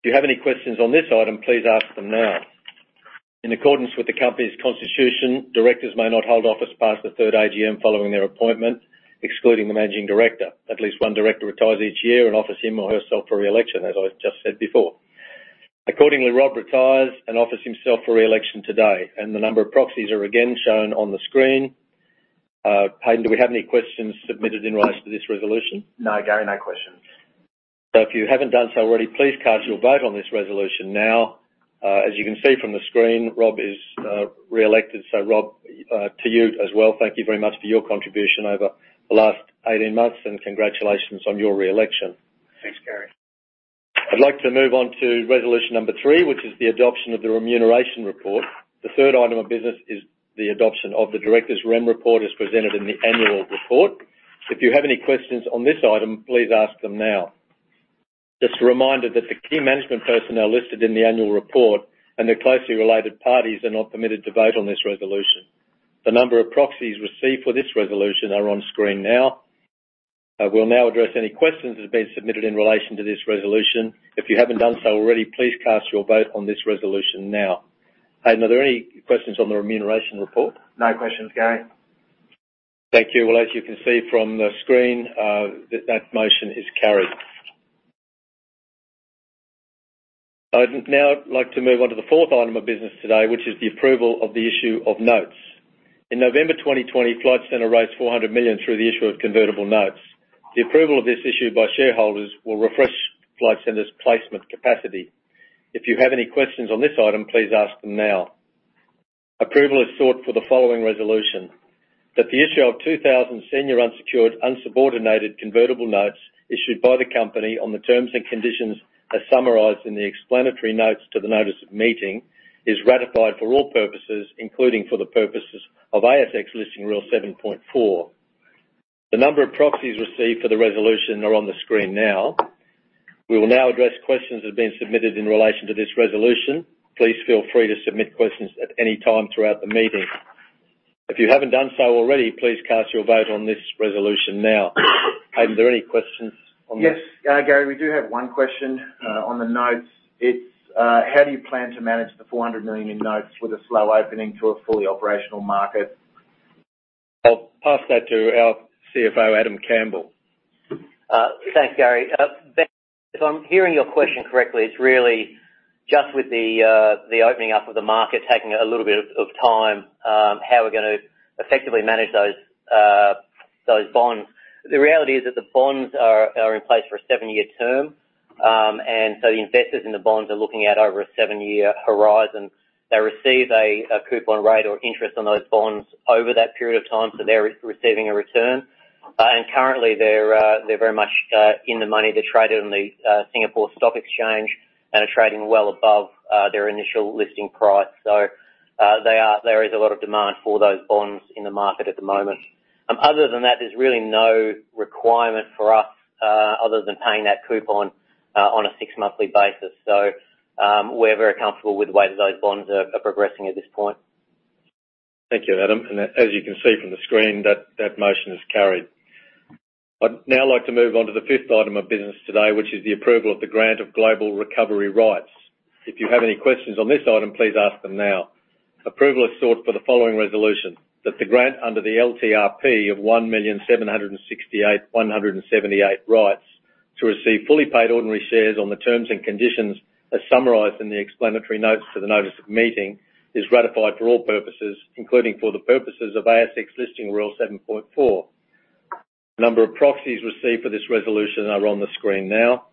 If you have any questions on this item, please ask them now. In accordance with the company's constitution, directors may not hold office past the third AGM following their appointment, excluding the Managing Director. At least one director retires each year and offers him or herself for re-election, as I just said before. Accordingly, Rob retires and offers himself for re-election today, and the number of proxies are again shown on the screen. Haydn, do we have any questions submitted in relation to this resolution? No, Gary, no questions. If you haven't done so already, please cast your vote on this resolution now. As you can see from the screen, Rob is re-elected. Rob, to you as well, thank you very much for your contribution over the last 18 months, and congratulations on your re-election. Thanks, Gary. I'd like to move on to resolution number three, which is the adoption of the remuneration report. The 3rd item of business is the adoption of the directors' rem report as presented in the annual report. If you have any questions on this item, please ask them now. Just a reminder that the key management personnel listed in the annual report and their closely related parties are not permitted to vote on this resolution. The number of proxies received for this resolution are on screen now. We'll now address any questions that have been submitted in relation to this resolution. If you haven't done so already, please cast your vote on this resolution now. Haydn, are there any questions on the remuneration report? No questions, Gary. Thank you. Well, as you can see from the screen, that motion is carried. I'd now like to move on to the fourth item of business today, which is the approval of the issue of notes. In November 2020, Flight Centre raised 400 million through the issue of convertible notes. The approval of this issue by shareholders will refresh Flight Centre's placement capacity. If you have any questions on this item, please ask them now. Approval is sought for the following resolution: that the issue of 2,000 senior unsecured, unsubordinated convertible notes issued by the company on the terms and conditions as summarized in the explanatory notes to the notice of meeting is ratified for all purposes, including for the purposes of ASX Listing Rule 7.4. The number of proxies received for the resolution are on the screen now. We will now address questions that have been submitted in relation to this resolution. Please feel free to submit questions at any time throughout the meeting. If you haven't done so already, please cast your vote on this resolution now. Haydn, are there any questions on this? Yes. Gary, we do have one question on the notes. It's, how do you plan to manage the 400 million in notes with a slow opening to a fully operational market? I'll pass that to our CFO, Adam Campbell. Thanks, Gary. If I'm hearing your question correctly, it's really just with the opening up of the market, taking a little bit of time, how we're going to effectively manage those bonds. The reality is that the bonds are in place for a seven-year term. The investors in the bonds are looking at over a seven-year horizon. They receive a coupon rate or interest on those bonds over that period of time, so they're receiving a return. Currently, they're very much in the money. They're traded on the Singapore Exchange and are trading well above their initial listing price. There is a lot of demand for those bonds in the market at the moment. Other than that, there's really no requirement for us other than paying that coupon on a six-monthly basis. We're very comfortable with the way that those bonds are progressing at this point. Thank you, Adam. As you can see from the screen, that motion is carried. I'd now like to move on to the fifth item of business today, which is the approval of the grant of Global Recovery Rights. If you have any questions on this item, please ask them now. Approval is sought for the following resolution: that the grant under the LTRP of 1,768,178 rights to receive fully paid ordinary shares on the terms and conditions as summarized in the explanatory notes to the notice of meeting is ratified for all purposes, including for the purposes of ASX Listing Rule 7.4. The number of proxies received for this resolution are on the screen now.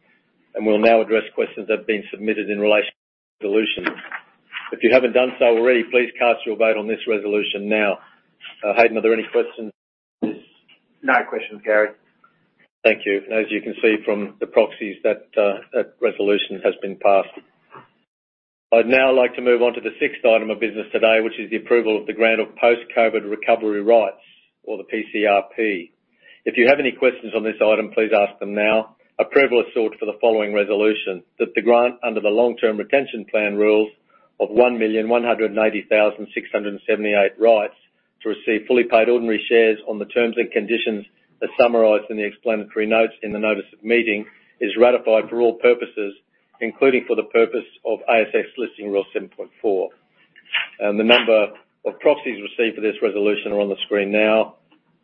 We'll now address questions that have been submitted in relation to this resolution. If you haven't done so already, please cast your vote on this resolution now. Haydn, are there any questions on this? No questions, Gary. Thank you. As you can see from the proxies, that resolution has been passed. I'd now like to move on to the 6th item of business today, which is the approval of the grant of post-COVID recovery rights or the PCRP. If you have any questions on this item, please ask them now. Approval is sought for the following resolution: that the grant under the Long-Term Retention Plan rules of 1,180,678 rights to receive fully paid ordinary shares on the terms and conditions as summarized in the explanatory notes in the notice of meeting is ratified for all purposes, including for the purpose of ASX Listing Rule 7.4. The number of proxies received for this resolution are on the screen now.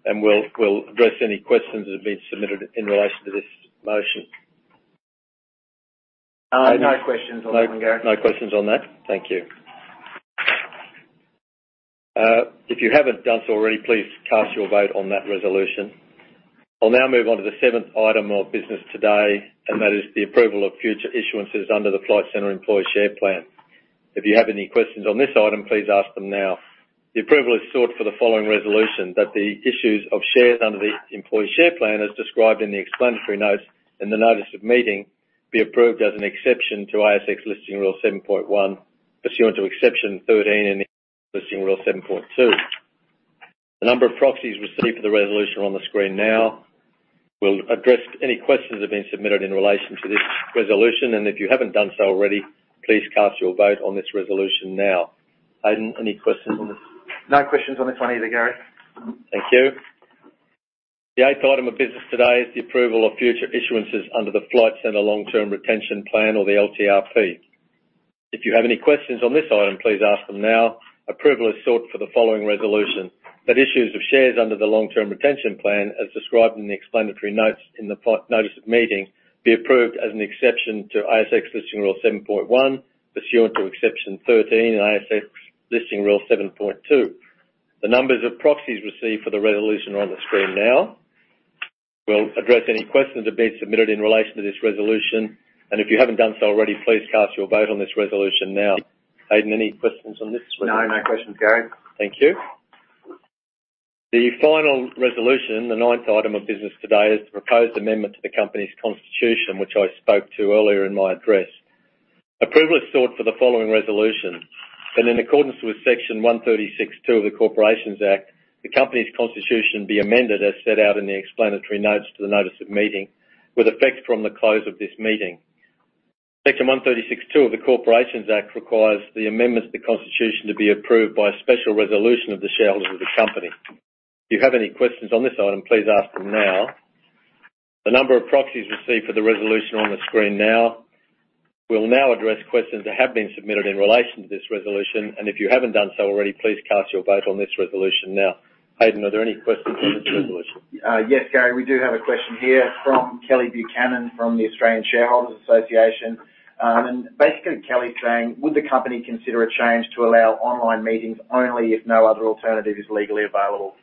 We'll address any questions that have been submitted in relation to this motion. Haydn. No questions on that one, Gary. No questions on that? Thank you. If you haven't done so already, please cast your vote on that resolution. I'll now move on to the 7th item of business today, that is the approval of future issuances under the Flight Centre Employee Share Plan. If you have any questions on this item, please ask them now. The approval is sought for the following resolution: that the issues of shares under the Employee Share Plan, as described in the explanatory notes in the notice of meeting, be approved as an exception to ASX Listing Rule 7.1 pursuant to exception 13 in the Listing Rule 7.2. The number of proxies received for the resolution are on the screen now. We'll address any questions that have been submitted in relation to this resolution, and if you haven't done so already, please cast your vote on this resolution now. Haydn, any questions on this? No questions on this one either, Gary. Thank you. The 8th item of business today is the approval of future issuances under the Flight Centre Long-Term Retention Plan or the LTRP. If you have any questions on this item, please ask them now. Approval is sought for the following resolution: that issues of shares under the long-term retention plan, as described in the explanatory notes in the notice of meeting, be approved as an exception to ASX Listing Rule 7.1 pursuant to exception 13 in ASX Listing Rule 7.2. The numbers of proxies received for the resolution are on the screen now. We'll address any questions that have been submitted in relation to this resolution, and if you haven't done so already, please cast your vote on this resolution now. Haydn, any questions on this resolution? No. No questions, Gary. Thank you. The final resolution, the ninth item of business today, is the proposed amendment to the company's constitution, which I spoke to earlier in my address. Approval is sought for the following resolution. That in accordance with Section 136(2) of the Corporations Act, the company's constitution be amended as set out in the explanatory notes to the notice of meeting, with effect from the close of this meeting. Section 136(2) of the Corporations Act requires the amendments to the constitution to be approved by a special resolution of the shareholders of the company. If you have any questions on this item, please ask them now. The number of proxies received for the resolution on the screen now. We'll now address questions that have been submitted in relation to this resolution, and if you haven't done so already, please cast your vote on this resolution now. Haydn, are there any questions on this resolution? Yes, Gary, we do have a question here from Kelly Buchanan from the Australian Shareholders' Association. Basically, Kelly is saying, would the company consider a change to allow online meetings only if no other alternative is legally available?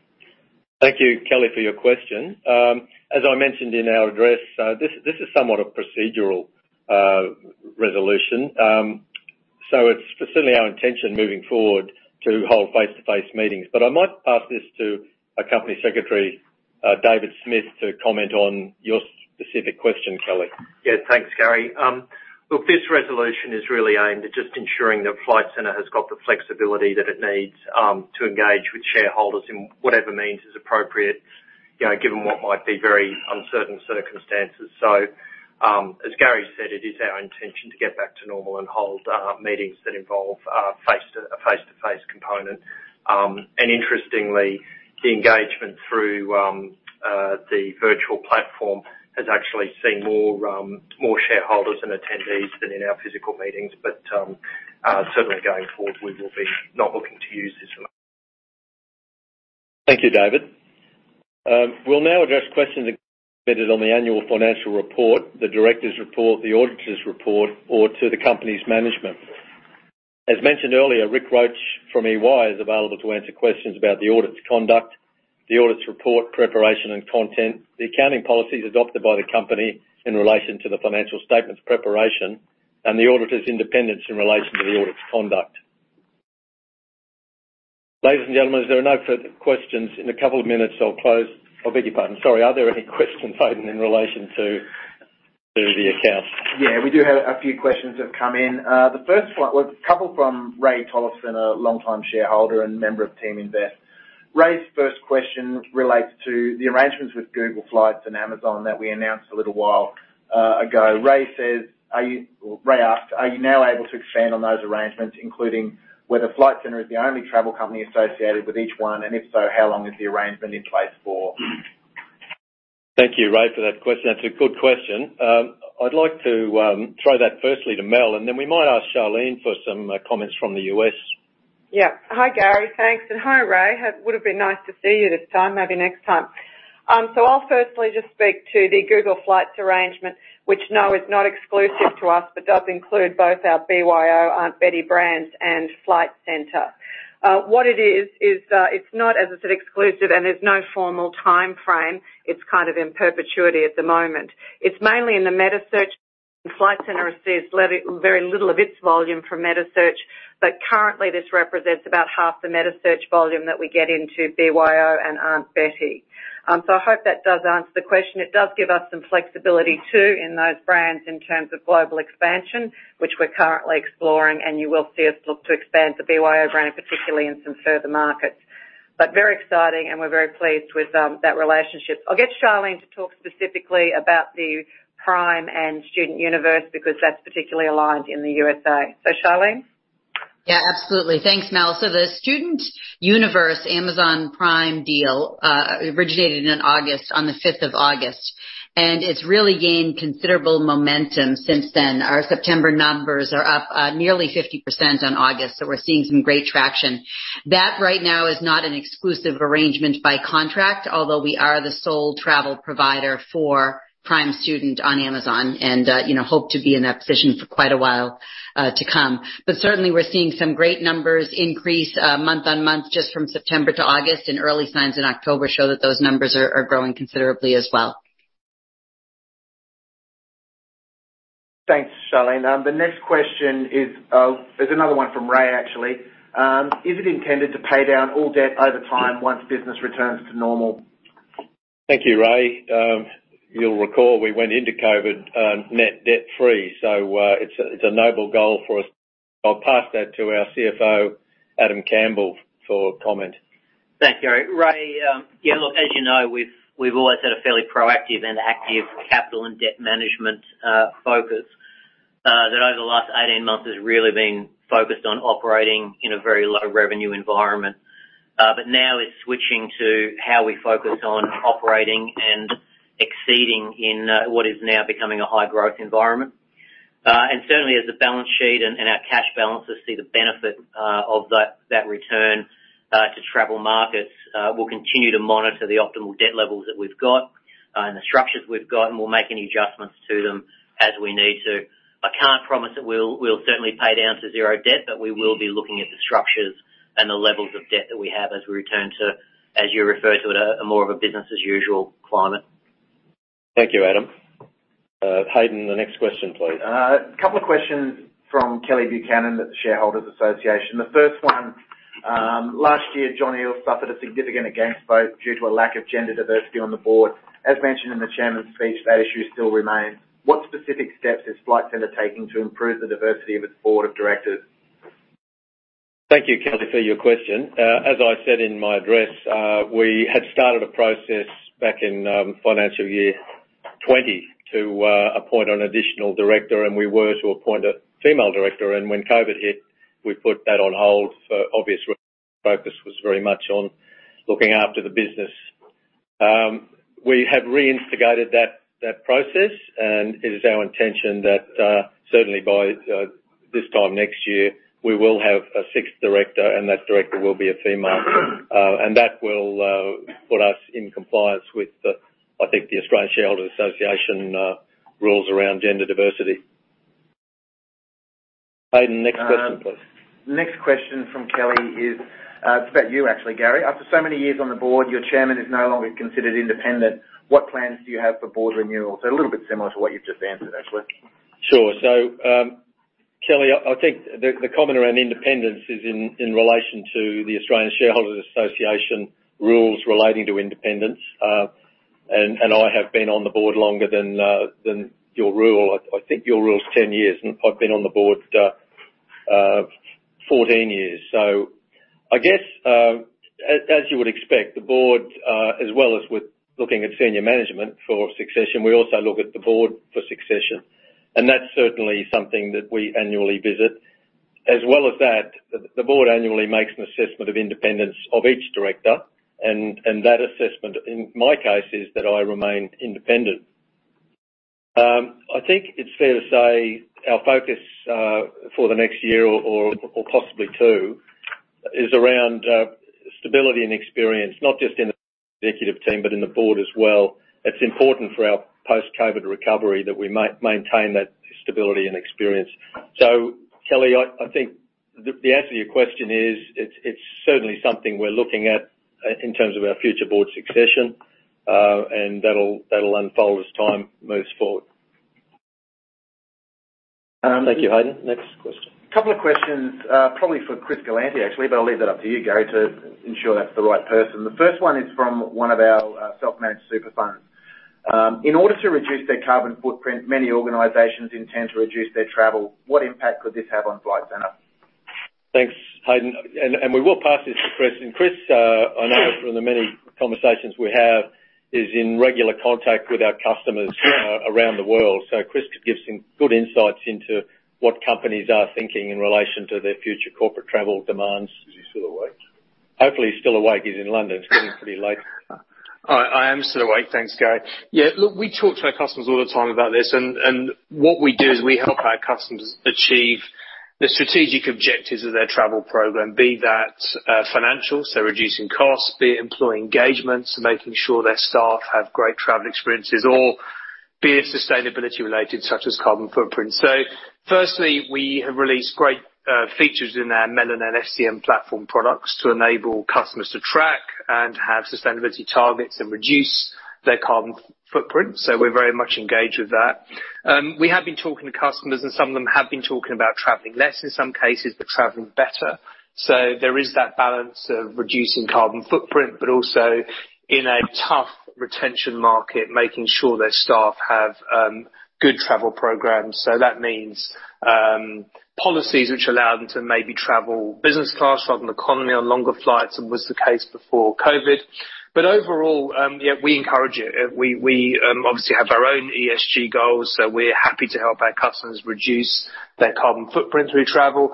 Thank you, Kelly, for your question. As I mentioned in our address, this is somewhat a procedural resolution. It's certainly our intention moving forward to hold face-to-face meetings. I might pass this to our Company Secretary, David Smith, to comment on your specific question, Kelly. Thanks, Gary. This resolution is really aimed at just ensuring that Flight Centre has got the flexibility that it needs to engage with shareholders in whatever means is appropriate, given what might be very uncertain circumstances. As Gary said, it is our intention to get back to normal and hold meetings that involve a face-to-face component. Interestingly, the engagement through the virtual platform has actually seen more shareholders and attendees than in our physical meetings. Certainly going forward, we will be not looking to use this. Thank you, David. We'll now address questions submitted on the annual financial report, the directors' report, the auditors' report or to the company's management. As mentioned earlier, Ric Roach from EY is available to answer questions about the audit's conduct, the audit's report preparation and content, the accounting policies adopted by the company in relation to the financial statements preparation, and the auditor's independence in relation to the audit's conduct. Ladies and gentlemen, if there are no further questions, in a couple of minutes, I'll close. I beg your pardon. Sorry, are there any questions, Haydn, in relation to the accounts? We do have a few questions that have come in. The first one was a couple from Ray Tollefson, a longtime shareholder and member of Teaminvest. Ray's first question relates to the arrangements with Google Flights and Amazon that we announced a little while ago. Ray asks, "Are you now able to expand on those arrangements, including whether Flight Centre is the only travel company associated with each one, and if so, how long is the arrangement in place for? Thank you, Ray Tollefson, for that question. That's a good question. I'd like to throw that firstly to Melanie, and then we might ask Charlene for some comments from the U.S. Hi, Gary, thanks, and hi, Ray. It would have been nice to see you this time. Maybe next time. I'll firstly just speak to the Google Flights arrangement, which is not exclusive to us, but does include both our BYOjet and Aunt Betty brands and Flight Centre. It's not, as I said, exclusive, and there's no formal timeframe. It's kind of in perpetuity at the moment. It's mainly in the metasearch. Flight Centre receives very little of its volume from metasearch, but currently this represents about half the metasearch volume that we get into BYOjet and Aunt Betty. I hope that does answer the question. It does give us some flexibility too in those brands in terms of global expansion, which we're currently exploring, and you will see us look to expand the BYOjet brand, particularly in some further markets. Very exciting, and we're very pleased with that relationship. I'll get Charlene to talk specifically about the Prime Student and StudentUniverse because that's particularly aligned in the USA. Charlene? Yeah, absolutely. Thanks, Mel. The StudentUniverse Amazon Prime deal originated in August, on the 5th of August, and it's really gained considerable momentum since then. Our September numbers are up nearly 50% on August, so we're seeing some great traction. That right now is not an exclusive arrangement by contract, although we are the sole travel provider for Prime Student on Amazon, and hope to be in that position for quite a while to come. Certainly, we're seeing some great numbers increase month on month just from September to August, and early signs in October show that those numbers are growing considerably as well. Thanks, Charlene. The next question is another one from Ray, actually. Is it intended to pay down all debt over time once business returns to normal? Thank you, Ray. You'll recall we went into COVID net debt-free. It's a noble goal for us. I'll pass that to our CFO, Adam Campbell, for comment. Thanks, Gary. Ray, yeah, look, as you know, we've always had a fairly proactive and active capital and debt management focus, that over the last 18 months has really been focused on operating in a very low revenue environment. Now it's switching to how we focus on operating and exceeding in what is now becoming a high growth environment. Certainly as the balance sheet and our cash balances see the benefit of that return to travel markets, we'll continue to monitor the optimal debt levels that we've got and the structures we've got, and we'll make any adjustments to them as we need to. I can't promise that we'll certainly pay down to zero debt, but we will be looking at the structures and the levels of debt that we have as we return to, as you refer to it, more of a business as usual climate. Thank you, Adam. Haydn, the next question, please. A couple of questions from Kelly Buchanan at the Shareholders Association. The first one, last year, John Eales suffered a significant against vote due to a lack of gender diversity on the board. As mentioned in the chairman's speech, that issue still remains. What specific steps is Flight Centre taking to improve the diversity of its board of directors? Thank you, Kelly, for your question. As I said in my address, we had started a process back in financial year 2020 to appoint an additional director. We were to appoint a female director. When COVID hit, we put that on hold for obvious reasons. Focus was very much on looking after the business. We have reinstigated that process. It is our intention that certainly by this time next year, we will have a sixth director. That director will be a female. That will put us in compliance with, I think, the Australian Shareholders' Association rules around gender diversity. Haydn, next question, please. Next question from Kelly is about you actually, Gary. After so many years on the board, your Chairman is no longer considered independent. What plans do you have for board renewal? A little bit similar to what you've just answered, actually. Kelly, I think the comment around independence is in relation to the Australian Shareholders' Association rules relating to independence. I have been on the board longer than your rule. I think your rule is 10 years, and I've been on the board 14 years. I guess, as you would expect, the board, as well as with looking at senior management for succession, we also look at the board for succession. That's certainly something that we annually visit. As well as that, the board annually makes an assessment of independence of each director, and that assessment, in my case, is that I remain independent. I think it's fair to say our focus for the next year or possibly two is around stability and experience, not just in the executive team, but in the board as well. It's important for our post-COVID recovery that we maintain that stability and experience. Kelly, I think the answer to your question is it's certainly something we're looking at in terms of our future board succession. That'll unfold as time moves forward. Thank you, Haydn. Next question. Couple of questions, probably for Chris Galanty, actually, but I'll leave that up to you, Gary, to ensure that's the right person. The first one is from one of our self-managed super funds. In order to reduce their carbon footprint, many organizations intend to reduce their travel. What impact could this have on Flight Centre? Thanks, Haydn. We will pass this to Chris, I know from the many conversations we have, is in regular contact with our customers around the world. Chris Galanty could give some good insights into what companies are thinking in relation to their future corporate travel demands. Is he still awake? Hopefully he's still awake. He's in London. It's getting pretty late. I am still awake. Thanks, Gary. Yeah, look, we talk to our customers all the time about this, and what we do is we help our customers achieve the strategic objectives of their travel program. Be that financial, so reducing costs, be it employee engagements, making sure their staff have great travel experiences, or be it sustainability related, such as carbon footprint. Firstly, we have released great features in our Melon and FCM platform products to enable customers to track and have sustainability targets and reduce their carbon footprint. We're very much engaged with that. We have been talking to customers, and some of them have been talking about traveling less in some cases, but traveling better. There is that balance of reducing carbon footprint, but also in a tough retention market, making sure their staff have good travel programs. That means policies which allow them to maybe travel business class rather than economy on longer flights and was the case before COVID-19. Overall, yeah, we encourage it. We obviously have our own ESG goals, so we're happy to help our customers reduce their carbon footprint through travel.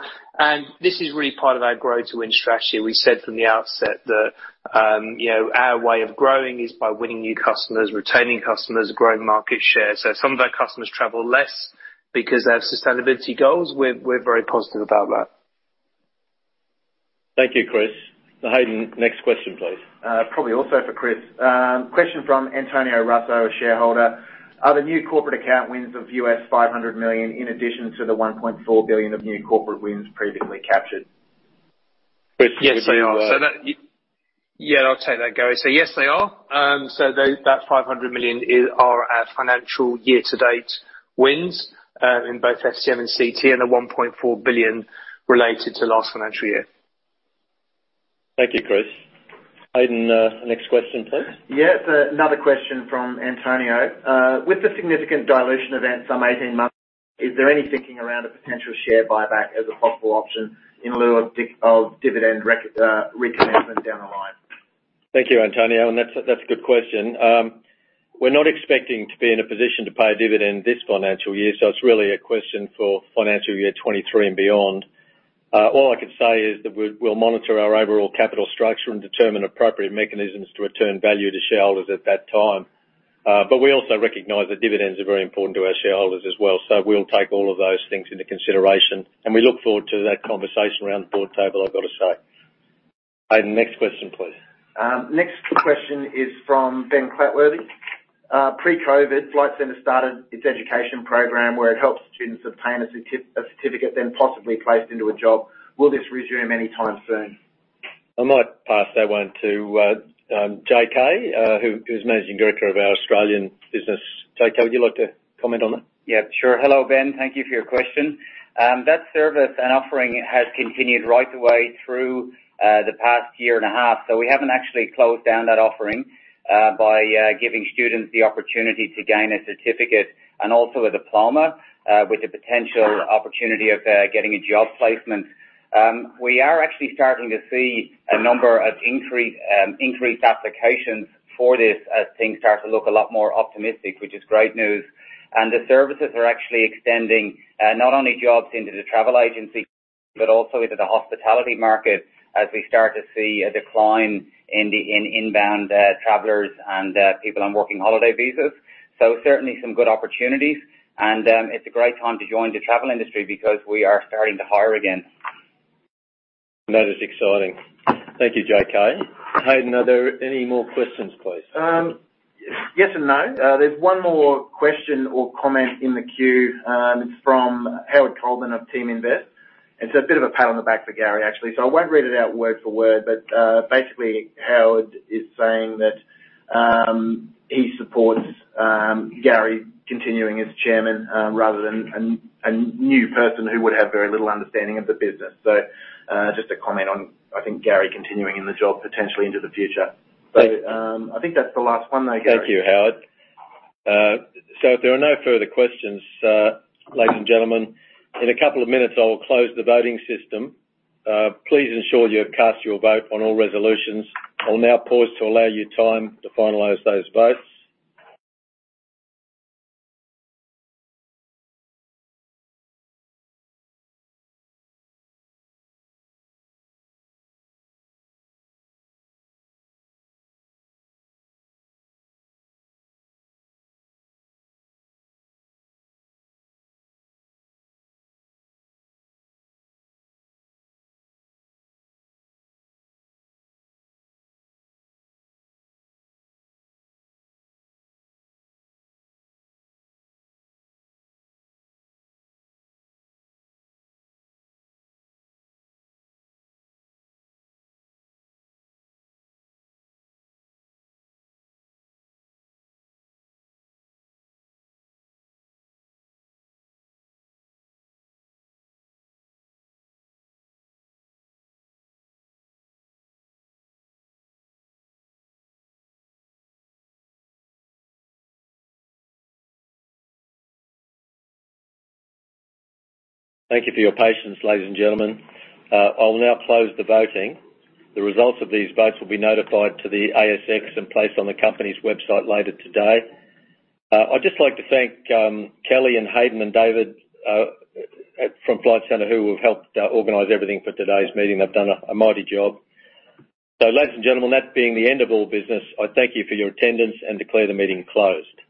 This is really part of our Grow to Win strategy. We said from the outset that our way of growing is by winning new customers, retaining customers, growing market share. Some of our customers travel less because they have sustainability goals. We're very positive about that. Thank you, Chris. Haydn, next question, please. Probably also for Chris. Question from Antonio Russo, a shareholder. Are the new corporate account wins of $500 million in addition to the $1.4 billion of new corporate wins previously captured? Chris, can you take that? Yeah, I'll take that, Gary. Yes, they are. That 500 million are our financial year to date wins in both FCM and CT, and the 1.4 billion related to last financial year. Thank you, Chris. Haydn, next question, please. Another question from Antonio. With the significant dilution event some 18 months, is there any thinking around a potential share buyback as a possible option in lieu of dividend recommencement down the line? Thank you, Antonio. That's a good question. We're not expecting to be in a position to pay a dividend this financial year. It's really a question for financial year 2023 and beyond. All I can say is that we'll monitor our overall capital structure and determine appropriate mechanisms to return value to shareholders at that time. We also recognize that dividends are very important to our shareholders as well. We'll take all of those things into consideration, and we look forward to that conversation around the board table, I've got to say. Haydn, next question, please. Next question is from Ben Clatworthy. Pre-COVID, Flight Centre started its education program where it helps students obtain a certificate, then possibly placed into a job. Will this resume anytime soon? I might pass that one to JK, who is Managing Director of our Australian business. JK, would you like to comment on that? Yeah, sure. Hello, Ben. Thank you for your question. That service and offering has continued right the way through the past 1.5 years. We haven't actually closed down that offering by giving students the opportunity to gain a certificate and also a diploma with the potential opportunity of getting a job placement. We are actually starting to see a number of increased applications for this as things start to look a lot more optimistic, which is great news. The services are actually extending not only jobs into the travel agency, but also into the hospitality market as we start to see a decline in inbound travelers and people on working holiday visas. Certainly some good opportunities. It's a great time to join the travel industry because we are starting to hire again. That is exciting. Thank you, J.K. Haydn, are there any more questions, please? Yes and no. There's one more question or comment in the queue. It's from Howard Coleman of Teaminvest. It's a bit of a pat on the back for Gary, actually. I won't read it out word for word, but basically, Howard is saying that he supports Gary continuing as Chairman rather than a new person who would have very little understanding of the business. Just a comment on, I think, Gary continuing in the job potentially into the future. Thank you. I think that's the last one, though, Gary. Thank you, Howard. If there are no further questions, ladies and gentlemen, in a couple of minutes I will close the voting system. Please ensure you have cast your vote on all resolutions. I will now pause to allow you time to finalize those votes. Thank you for your patience, ladies and gentlemen. I will now close the voting. The results of these votes will be notified to the ASX and placed on the company's website later today. I'd just like to thank Kelly and Haydn and David from Flight Centre who have helped organize everything for today's meeting. They've done a mighty job. Ladies and gentlemen, that being the end of all business, I thank you for your attendance and declare the meeting closed.